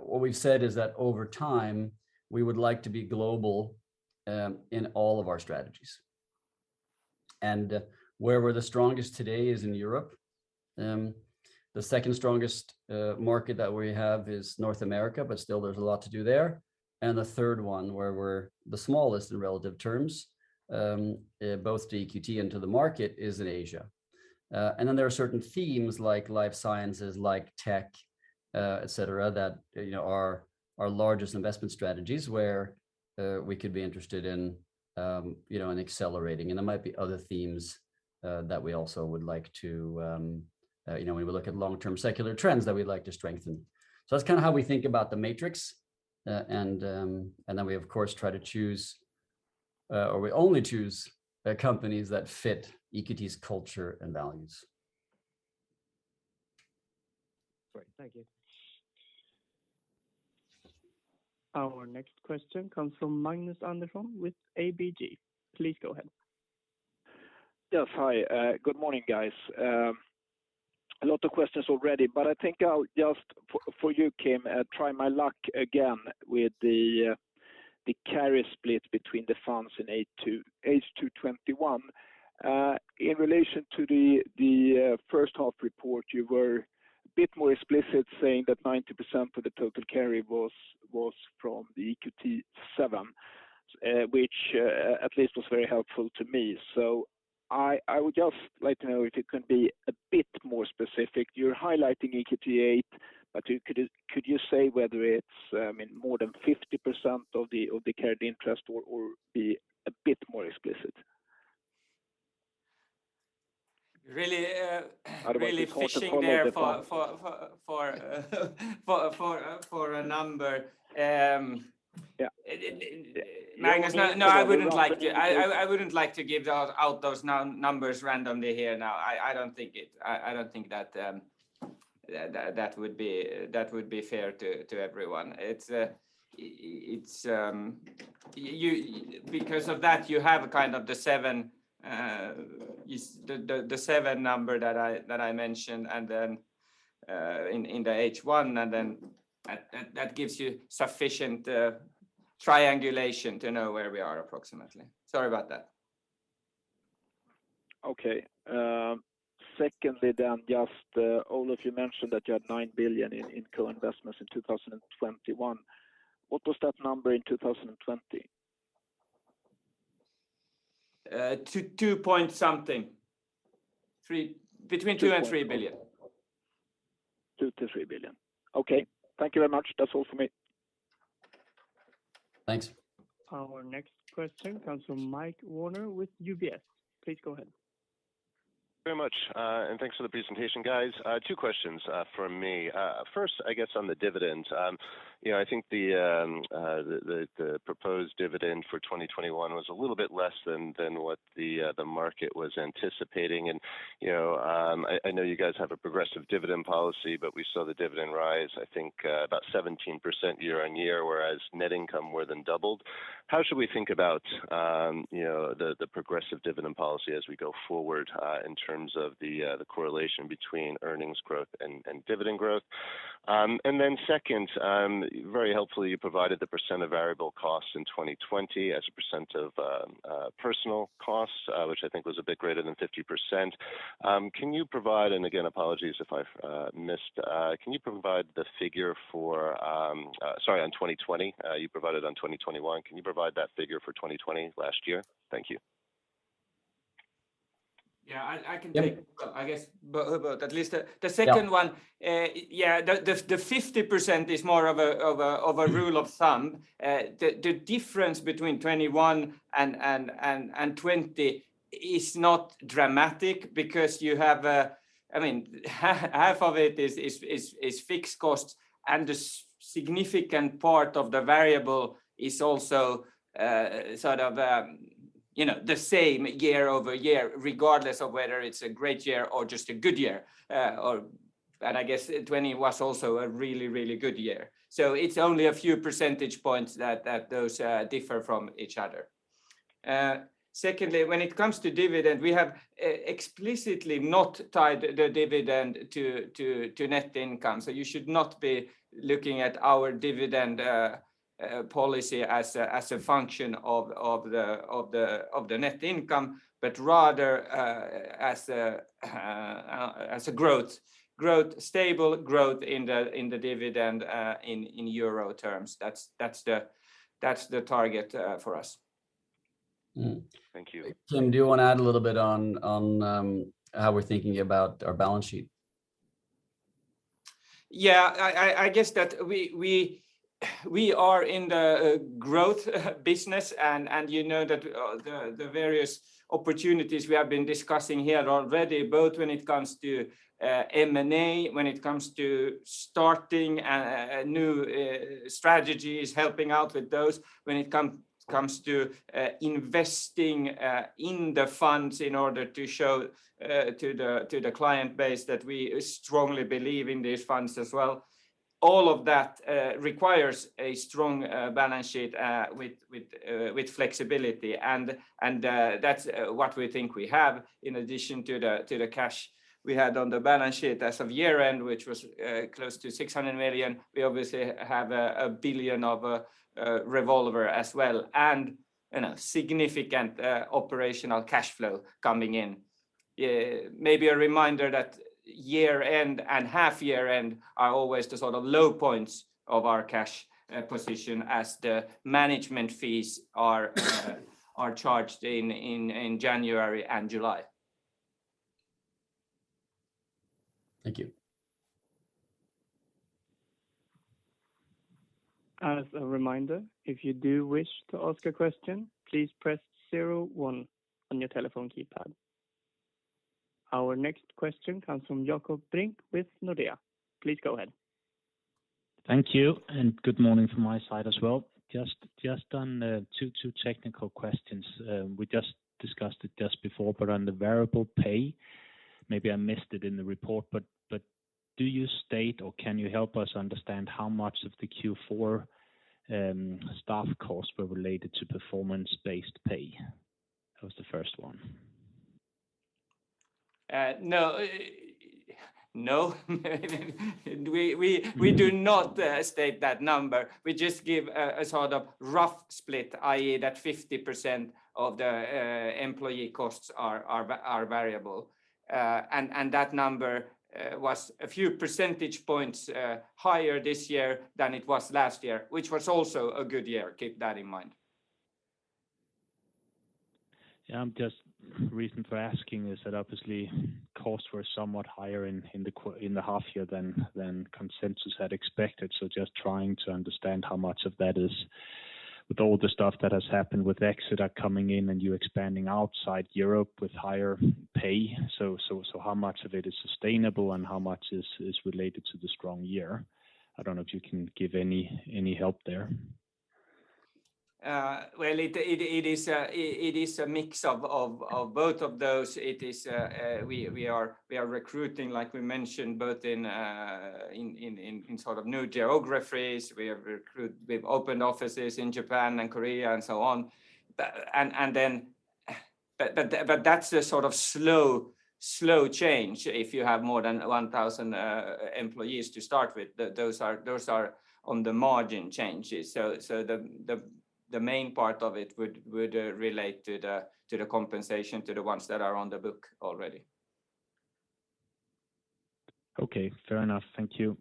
what we've said is that over time we would like to be global in all of our strategies. Where we're the strongest today is in Europe. The second strongest market that we have is North America, but still there's a lot to do there. The third one, where we're the smallest in relative terms, both to EQT and to the market, is in Asia. There are certain themes like life sciences, like tech, et cetera, that, you know, are our largest investment strategies where we could be interested in, you know, in accelerating. There might be other themes that we also would like to, you know, when we look at long-term secular trends that we'd like to strengthen. That's kind of how we think about the matrix. We of course try to choose or we only choose companies that fit EQT's culture and values. Great. Thank you. Our next question comes from Magnus Andersson with ABG. Please go ahead. Good morning, guys. A lot of questions already, but I think I'll just for you, Kim, try my luck again with the carry split between the funds in VIII to X to 2021. In relation to the first half report, you were a bit more explicit saying that 90% of the total carry was from the EQT VII, which at least was very helpful to me. So I would just like to know if you can be a bit more specific. You're highlighting EQT VIII, but could you say whether it's, I mean, more than 50% of the carried interest or be a bit more explicit. Really fishing there for a number. Yeah. Magnus, no, I wouldn't like to give those numbers randomly here now. I don't think that would be fair to everyone. Because of that you have a kind of the seven is the seven number that I mentioned, and then in the H one, and then that gives you sufficient triangulation to know where we are approximately. Sorry about that. Secondly, just, Olof, you mentioned that you had 9 billion in co-investments in 2021. What was that number in 2020? Between 2 billion and 3 billion. 2 billion-3 billion. Okay. Thank you very much. That's all for me. Thanks. Our next question comes from Michael Werner with UBS. Please go ahead. Very much, thanks for the presentation, guys. Two questions from me. First, I guess on the dividend. You know, I think the proposed dividend for 2021 was a little bit less than what the market was anticipating. You know, I know you guys have a progressive dividend policy, we saw the dividend rise, I think, about 17% year-on-year, whereas net income more than doubled. How should we think about, you know, the progressive dividend policy as we go forward, in terms of the correlation between earnings growth and dividend growth? Second, very helpfully, you provided the percent of variable costs in 2020 as a percent of personnel costs, which I think was a bit greater than 50%. Can you provide, and again, apologies if I've missed, the figure for 2020? You provided on 2021. Can you provide that figure for 2020 last year? Thank you. Yeah, I can take- Yep. I guess, but about at least the second one. Yeah. Yeah, the 50% is more of a rule of thumb. The difference between 2021 and 2020 is not dramatic because you have I mean half of it is fixed costs, and the significant part of the variable is also sort of you know the same year-over-year, regardless of whether it's a great year or just a good year. I guess 2020 was also a really good year. It's only a few percentage points that those differ from each other. Secondly, when it comes to dividend, we have explicitly not tied the dividend to net income. You should not be looking at our dividend policy as a function of the net income, but rather as a stable growth in the dividend in euro terms. That's the target for us. Thank you. Kim, do you wanna add a little bit on how we're thinking about our balance sheet? Yeah. I guess that we are in the growth business and you know that the various opportunities we have been discussing here already, both when it comes to M&A, when it comes to starting new strategies, helping out with those, when it comes to investing in the funds in order to show to the client base that we strongly believe in these funds as well. All of that requires a strong balance sheet with flexibility. That's what we think we have in addition to the cash we had on the balance sheet as of year-end, which was close to 600 million. We obviously have 1 billion of revolver as well, and you know, significant operational cash flow coming in. Maybe a reminder that year-end and half-year-end are always the sort of low points of our cash position as the management fees are charged in January and July. Thank you. As a reminder, if you do wish to ask a question, please press zero one on your telephone keypad. Our next question comes from Jakob Brink with Nordea. Please go ahead. Thank you, and good morning from my side as well. Just on two technical questions. We just discussed it just before, but on the variable pay, maybe I missed it in the report, but do you state or can you help us understand how much of the Q4 staff costs were related to performance-based pay? That was the first one. No. We do not state that number. We just give a sort of rough split, i.e., that 50% of the employee costs are variable. That number was a few percentage points higher this year than it was last year, which was also a good year. Keep that in mind. Yeah. The reason for asking is that obviously costs were somewhat higher in the half year than consensus had expected. Just trying to understand how much of that is with all the stuff that has happened with Exeter coming in and you expanding outside Europe with higher pay. How much of it is sustainable and how much is related to the strong year? I don't know if you can give any help there. Well, it is a mix of both of those. We are recruiting, like we mentioned, both in sort of new geographies. We've opened offices in Japan and Korea and so on. That's a sort of slow change if you have more than 1,000 employees to start with. Those are on the margin changes. So the main part of it would relate to the compensation to the ones that are on the book already. Okay. Fair enough. Thank you.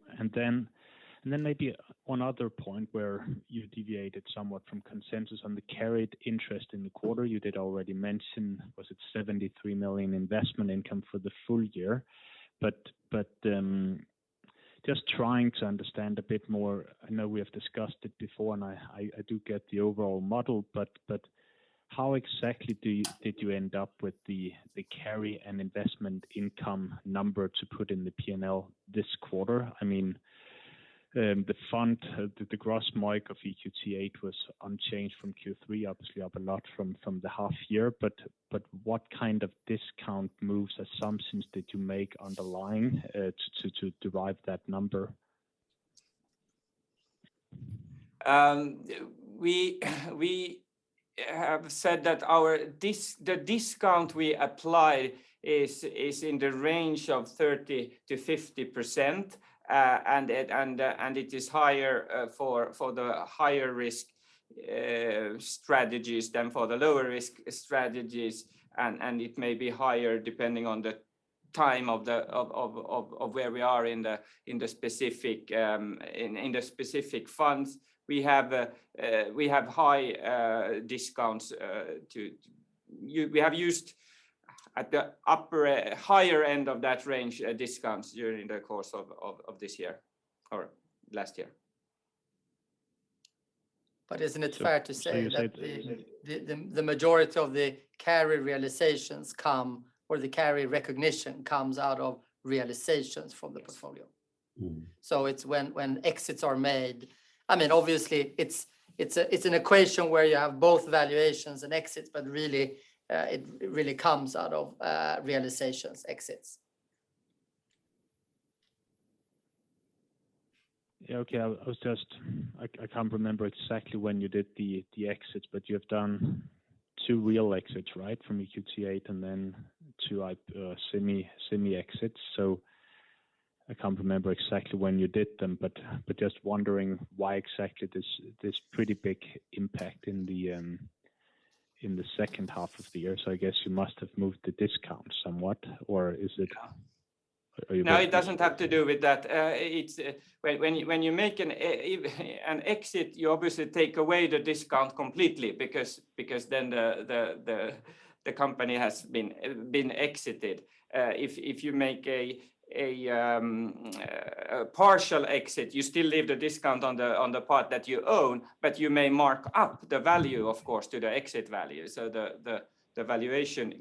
Maybe one other point where you deviated somewhat from consensus on the carried interest in the quarter. You did already mention, was it 73 million investment income for the full year? But just trying to understand a bit more. I know we have discussed it before, and I do get the overall model, but how exactly did you end up with the carry and investment income number to put in the P&L this quarter? I mean, the fund, the gross MOIC of EQT8 was unchanged from Q3, obviously up a lot from the half year, but what kind of discount, MOIC assumptions did you make on the line to derive that number? We have said that the discount we apply is in the range of 30%-50%. It is higher for the higher risk strategies than for the lower risk strategies. It may be higher depending on the time of where we are in the specific funds. We have high discounts. We have used at the upper higher end of that range discounts during the course of this year or last year. Isn't it fair to say that the You said- The majority of the carry realizations come or the carry recognition comes out of realizations from the portfolio? Yes. It's when exits are made. I mean, obviously it's an equation where you have both valuations and exits, but really, it really comes out of realizations exits. Yeah. Okay. I was just. I can't remember exactly when you did the exits, but you have done two real exits, right? From EQT8 and then two semi exits. I can't remember exactly when you did them, but just wondering why exactly this pretty big impact in the second half of the year. I guess you must have moved the discount somewhat or is it? No. Are you- No, it doesn't have to do with that. When you make an exit, you obviously take away the discount completely because then the company has been exited. If you make a partial exit, you still leave the discount on the part that you own, but you may mark up the value, of course, to the exit value. The valuation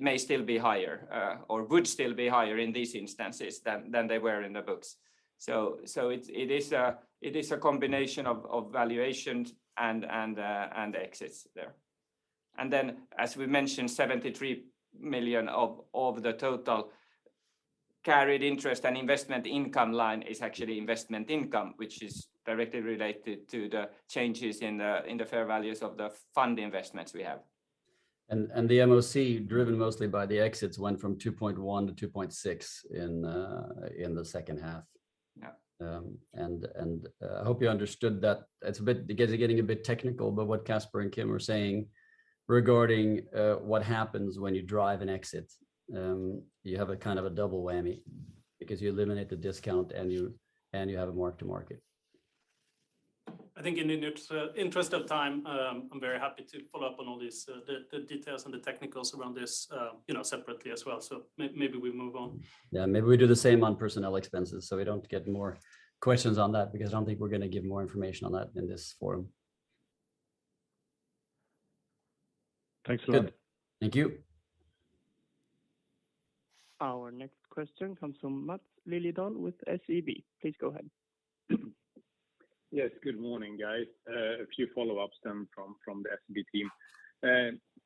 may still be higher or would still be higher in these instances than they were in the books. It is a combination of valuations and exits there. As we mentioned, 73 million of the total carried interest and investment income line is actually investment income, which is directly related to the changes in the fair values of the fund investments we have. The MOIC driven mostly by the exits went from 2.1-2.6 in the second half. Yeah. I hope you understood that it's getting a bit technical, but what Caspar and Kim are saying regarding what happens when you drive an exit, you have a kind of a double whammy because you eliminate the discount and you have a mark to market. I think in the interest of time, I'm very happy to follow up on all these, the details and the technicals around this, you know, separately as well. Maybe we move on. Yeah. Maybe we do the same on personnel expenses, so we don't get more questions on that because I don't think we're gonna give more information on that in this forum. Thanks a lot. Good. Thank you. Our next question comes from Maths Liljedahl with SEB. Please go ahead. Yes, good morning, guys. A few follow-ups from the SEB team.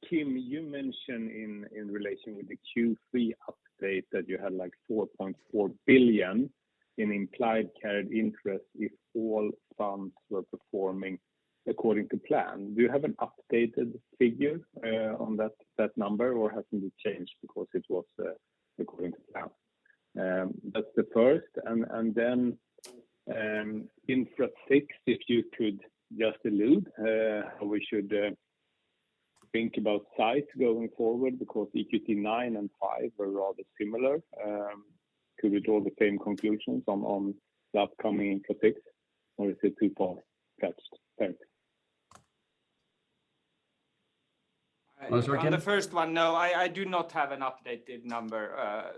Kim, you mentioned in relation with the Q3 update that you had, like, 4.4 billion in implied carried interest if all funds were performing according to plan. Do you have an updated figure on that number, or has it been changed because it was according to plan? That's the first. Infra VI, if you could just allude how we should think about size going forward because EQT IX and 5 were rather similar. Could we draw the same conclusions on the upcoming Infra VI, or is it too far-fetched? Thank you. Mats, do you want to On the first one, no, I do not have an updated number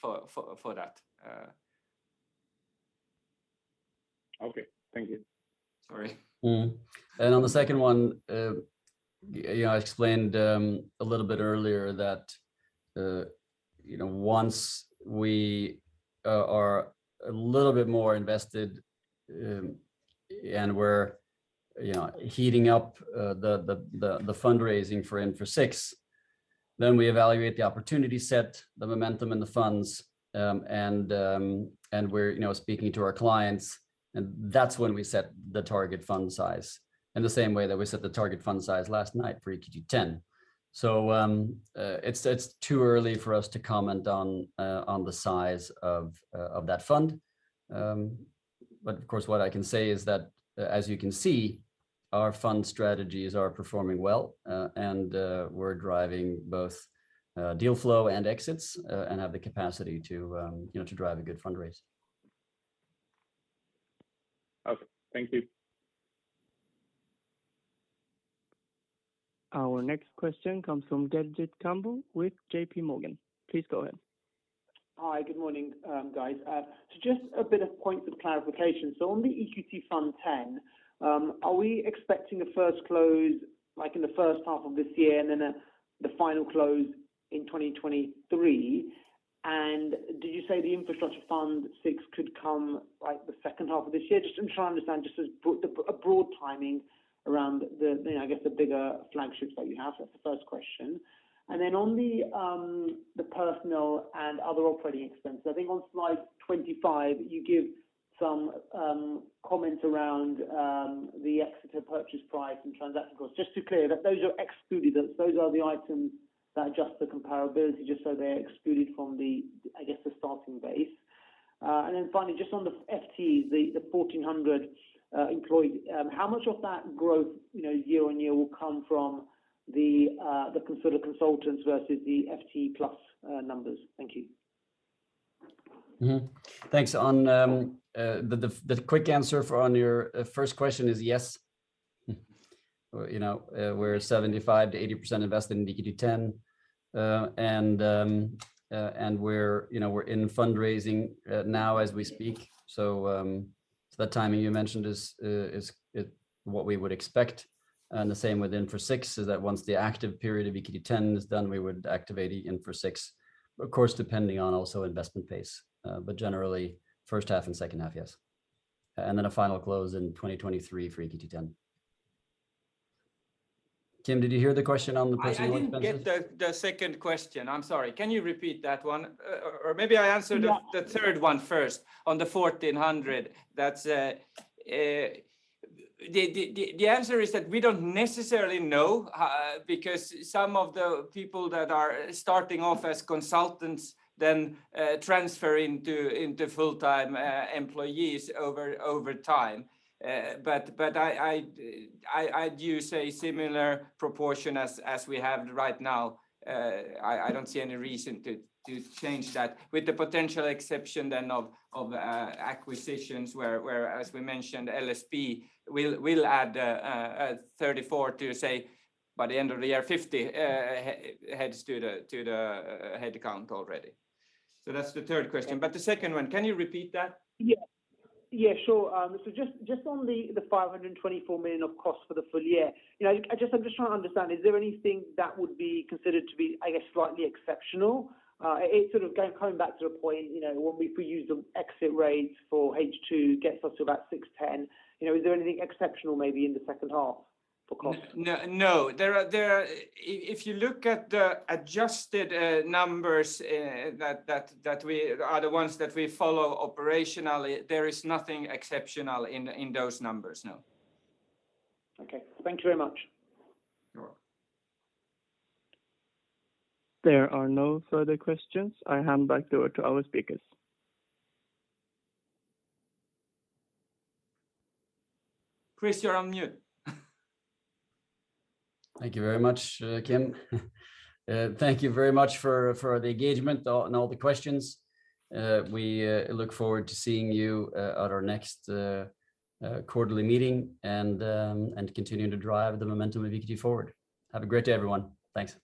for that. Okay. Thank you. Sorry. On the second one, you know, I explained a little bit earlier that, you know, once we are a little bit more invested, and we're, you know, heating up the fundraising for Infra VI, then we evaluate the opportunity set, the momentum in the funds, and we're, you know, speaking to our clients, and that's when we set the target fund size. In the same way that we set the target fund size last night for EQT X. It's too early for us to comment on the size of that fund. Of course, what I can say is that as you can see, our fund strategies are performing well, and we're driving both deal flow and exits, and have the capacity to, you know, to drive a good fundraise. Okay. Thank you. Our next question comes from Gurjit Kambo with JP Morgan. Please go ahead. Hi. Good morning, guys. Just a bit of points of clarification. On the EQT Fund ten, are we expecting a first close, like, in the first half of this year and then the final close in 2023? Did you say the Infrastructure Fund six could come, like, the second half of this year? Just, I'm trying to understand a broad timing around the, you know, I guess the bigger flagships that you have. That's the first question. Then on the personnel and other operating expenses, I think on slide 25 you give some comments around the exit and purchase price and transaction costs. Just to clear that those are excluded, those are the items that adjust the comparability just so they're excluded from the, I guess, the starting base. Finally, just on the FTEs, the 1,400 employees, how much of that growth, you know, year-on-year will come from the in-sourced consultants versus the FTE plus numbers? Thank you. Mm-hmm. Thanks. The quick answer to your first question is yes. You know, we're 75%-80% invested in EQT X. We're in fundraising now as we speak. The timing you mentioned is what we would expect. The same with Infra VI is that once the active period of EQT X is done, we would activate the Infra VI. Of course, depending on also investment pace, but generally first half and second half, yes. Then a final close in 2023 for EQT X. Kim, did you hear the question on the personnel expenses? I didn't get the second question. I'm sorry. Can you repeat that one? Or maybe I answer the No... the third one first on the 1,400. That's the answer is that we don't necessarily know, because some of the people that are starting off as consultants then transfer into full-time employees over time. But I I'd use a similar proportion as we have right now. I don't see any reason to change that with the potential exception then of acquisitions where, as we mentioned LSP, we'll add 34 to, say, by the end of the year, 50 heads to the headcount already. So that's the third question. The second one, can you repeat that? Yeah. Yeah, sure. So just on the 524 million of costs for the full year, you know, I'm just trying to understand, is there anything that would be considered to be, I guess, slightly exceptional? It's sort of coming back to the point, you know, if we use the exit rates for H2 gets us to about 610 million. You know, is there anything exceptional maybe in the second half for cost? No, no. If you look at the adjusted numbers that we are the ones that we follow operationally, there is nothing exceptional in those numbers, no. Okay. Thank you very much. You're welcome. There are no further questions. I hand back over to our speakers. Chris, you're on mute. Thank you very much, Kim. Thank you very much for the engagement and all the questions. We look forward to seeing you at our next quarterly meeting and continuing to drive the momentum of EQT forward. Have a great day, everyone. Thanks.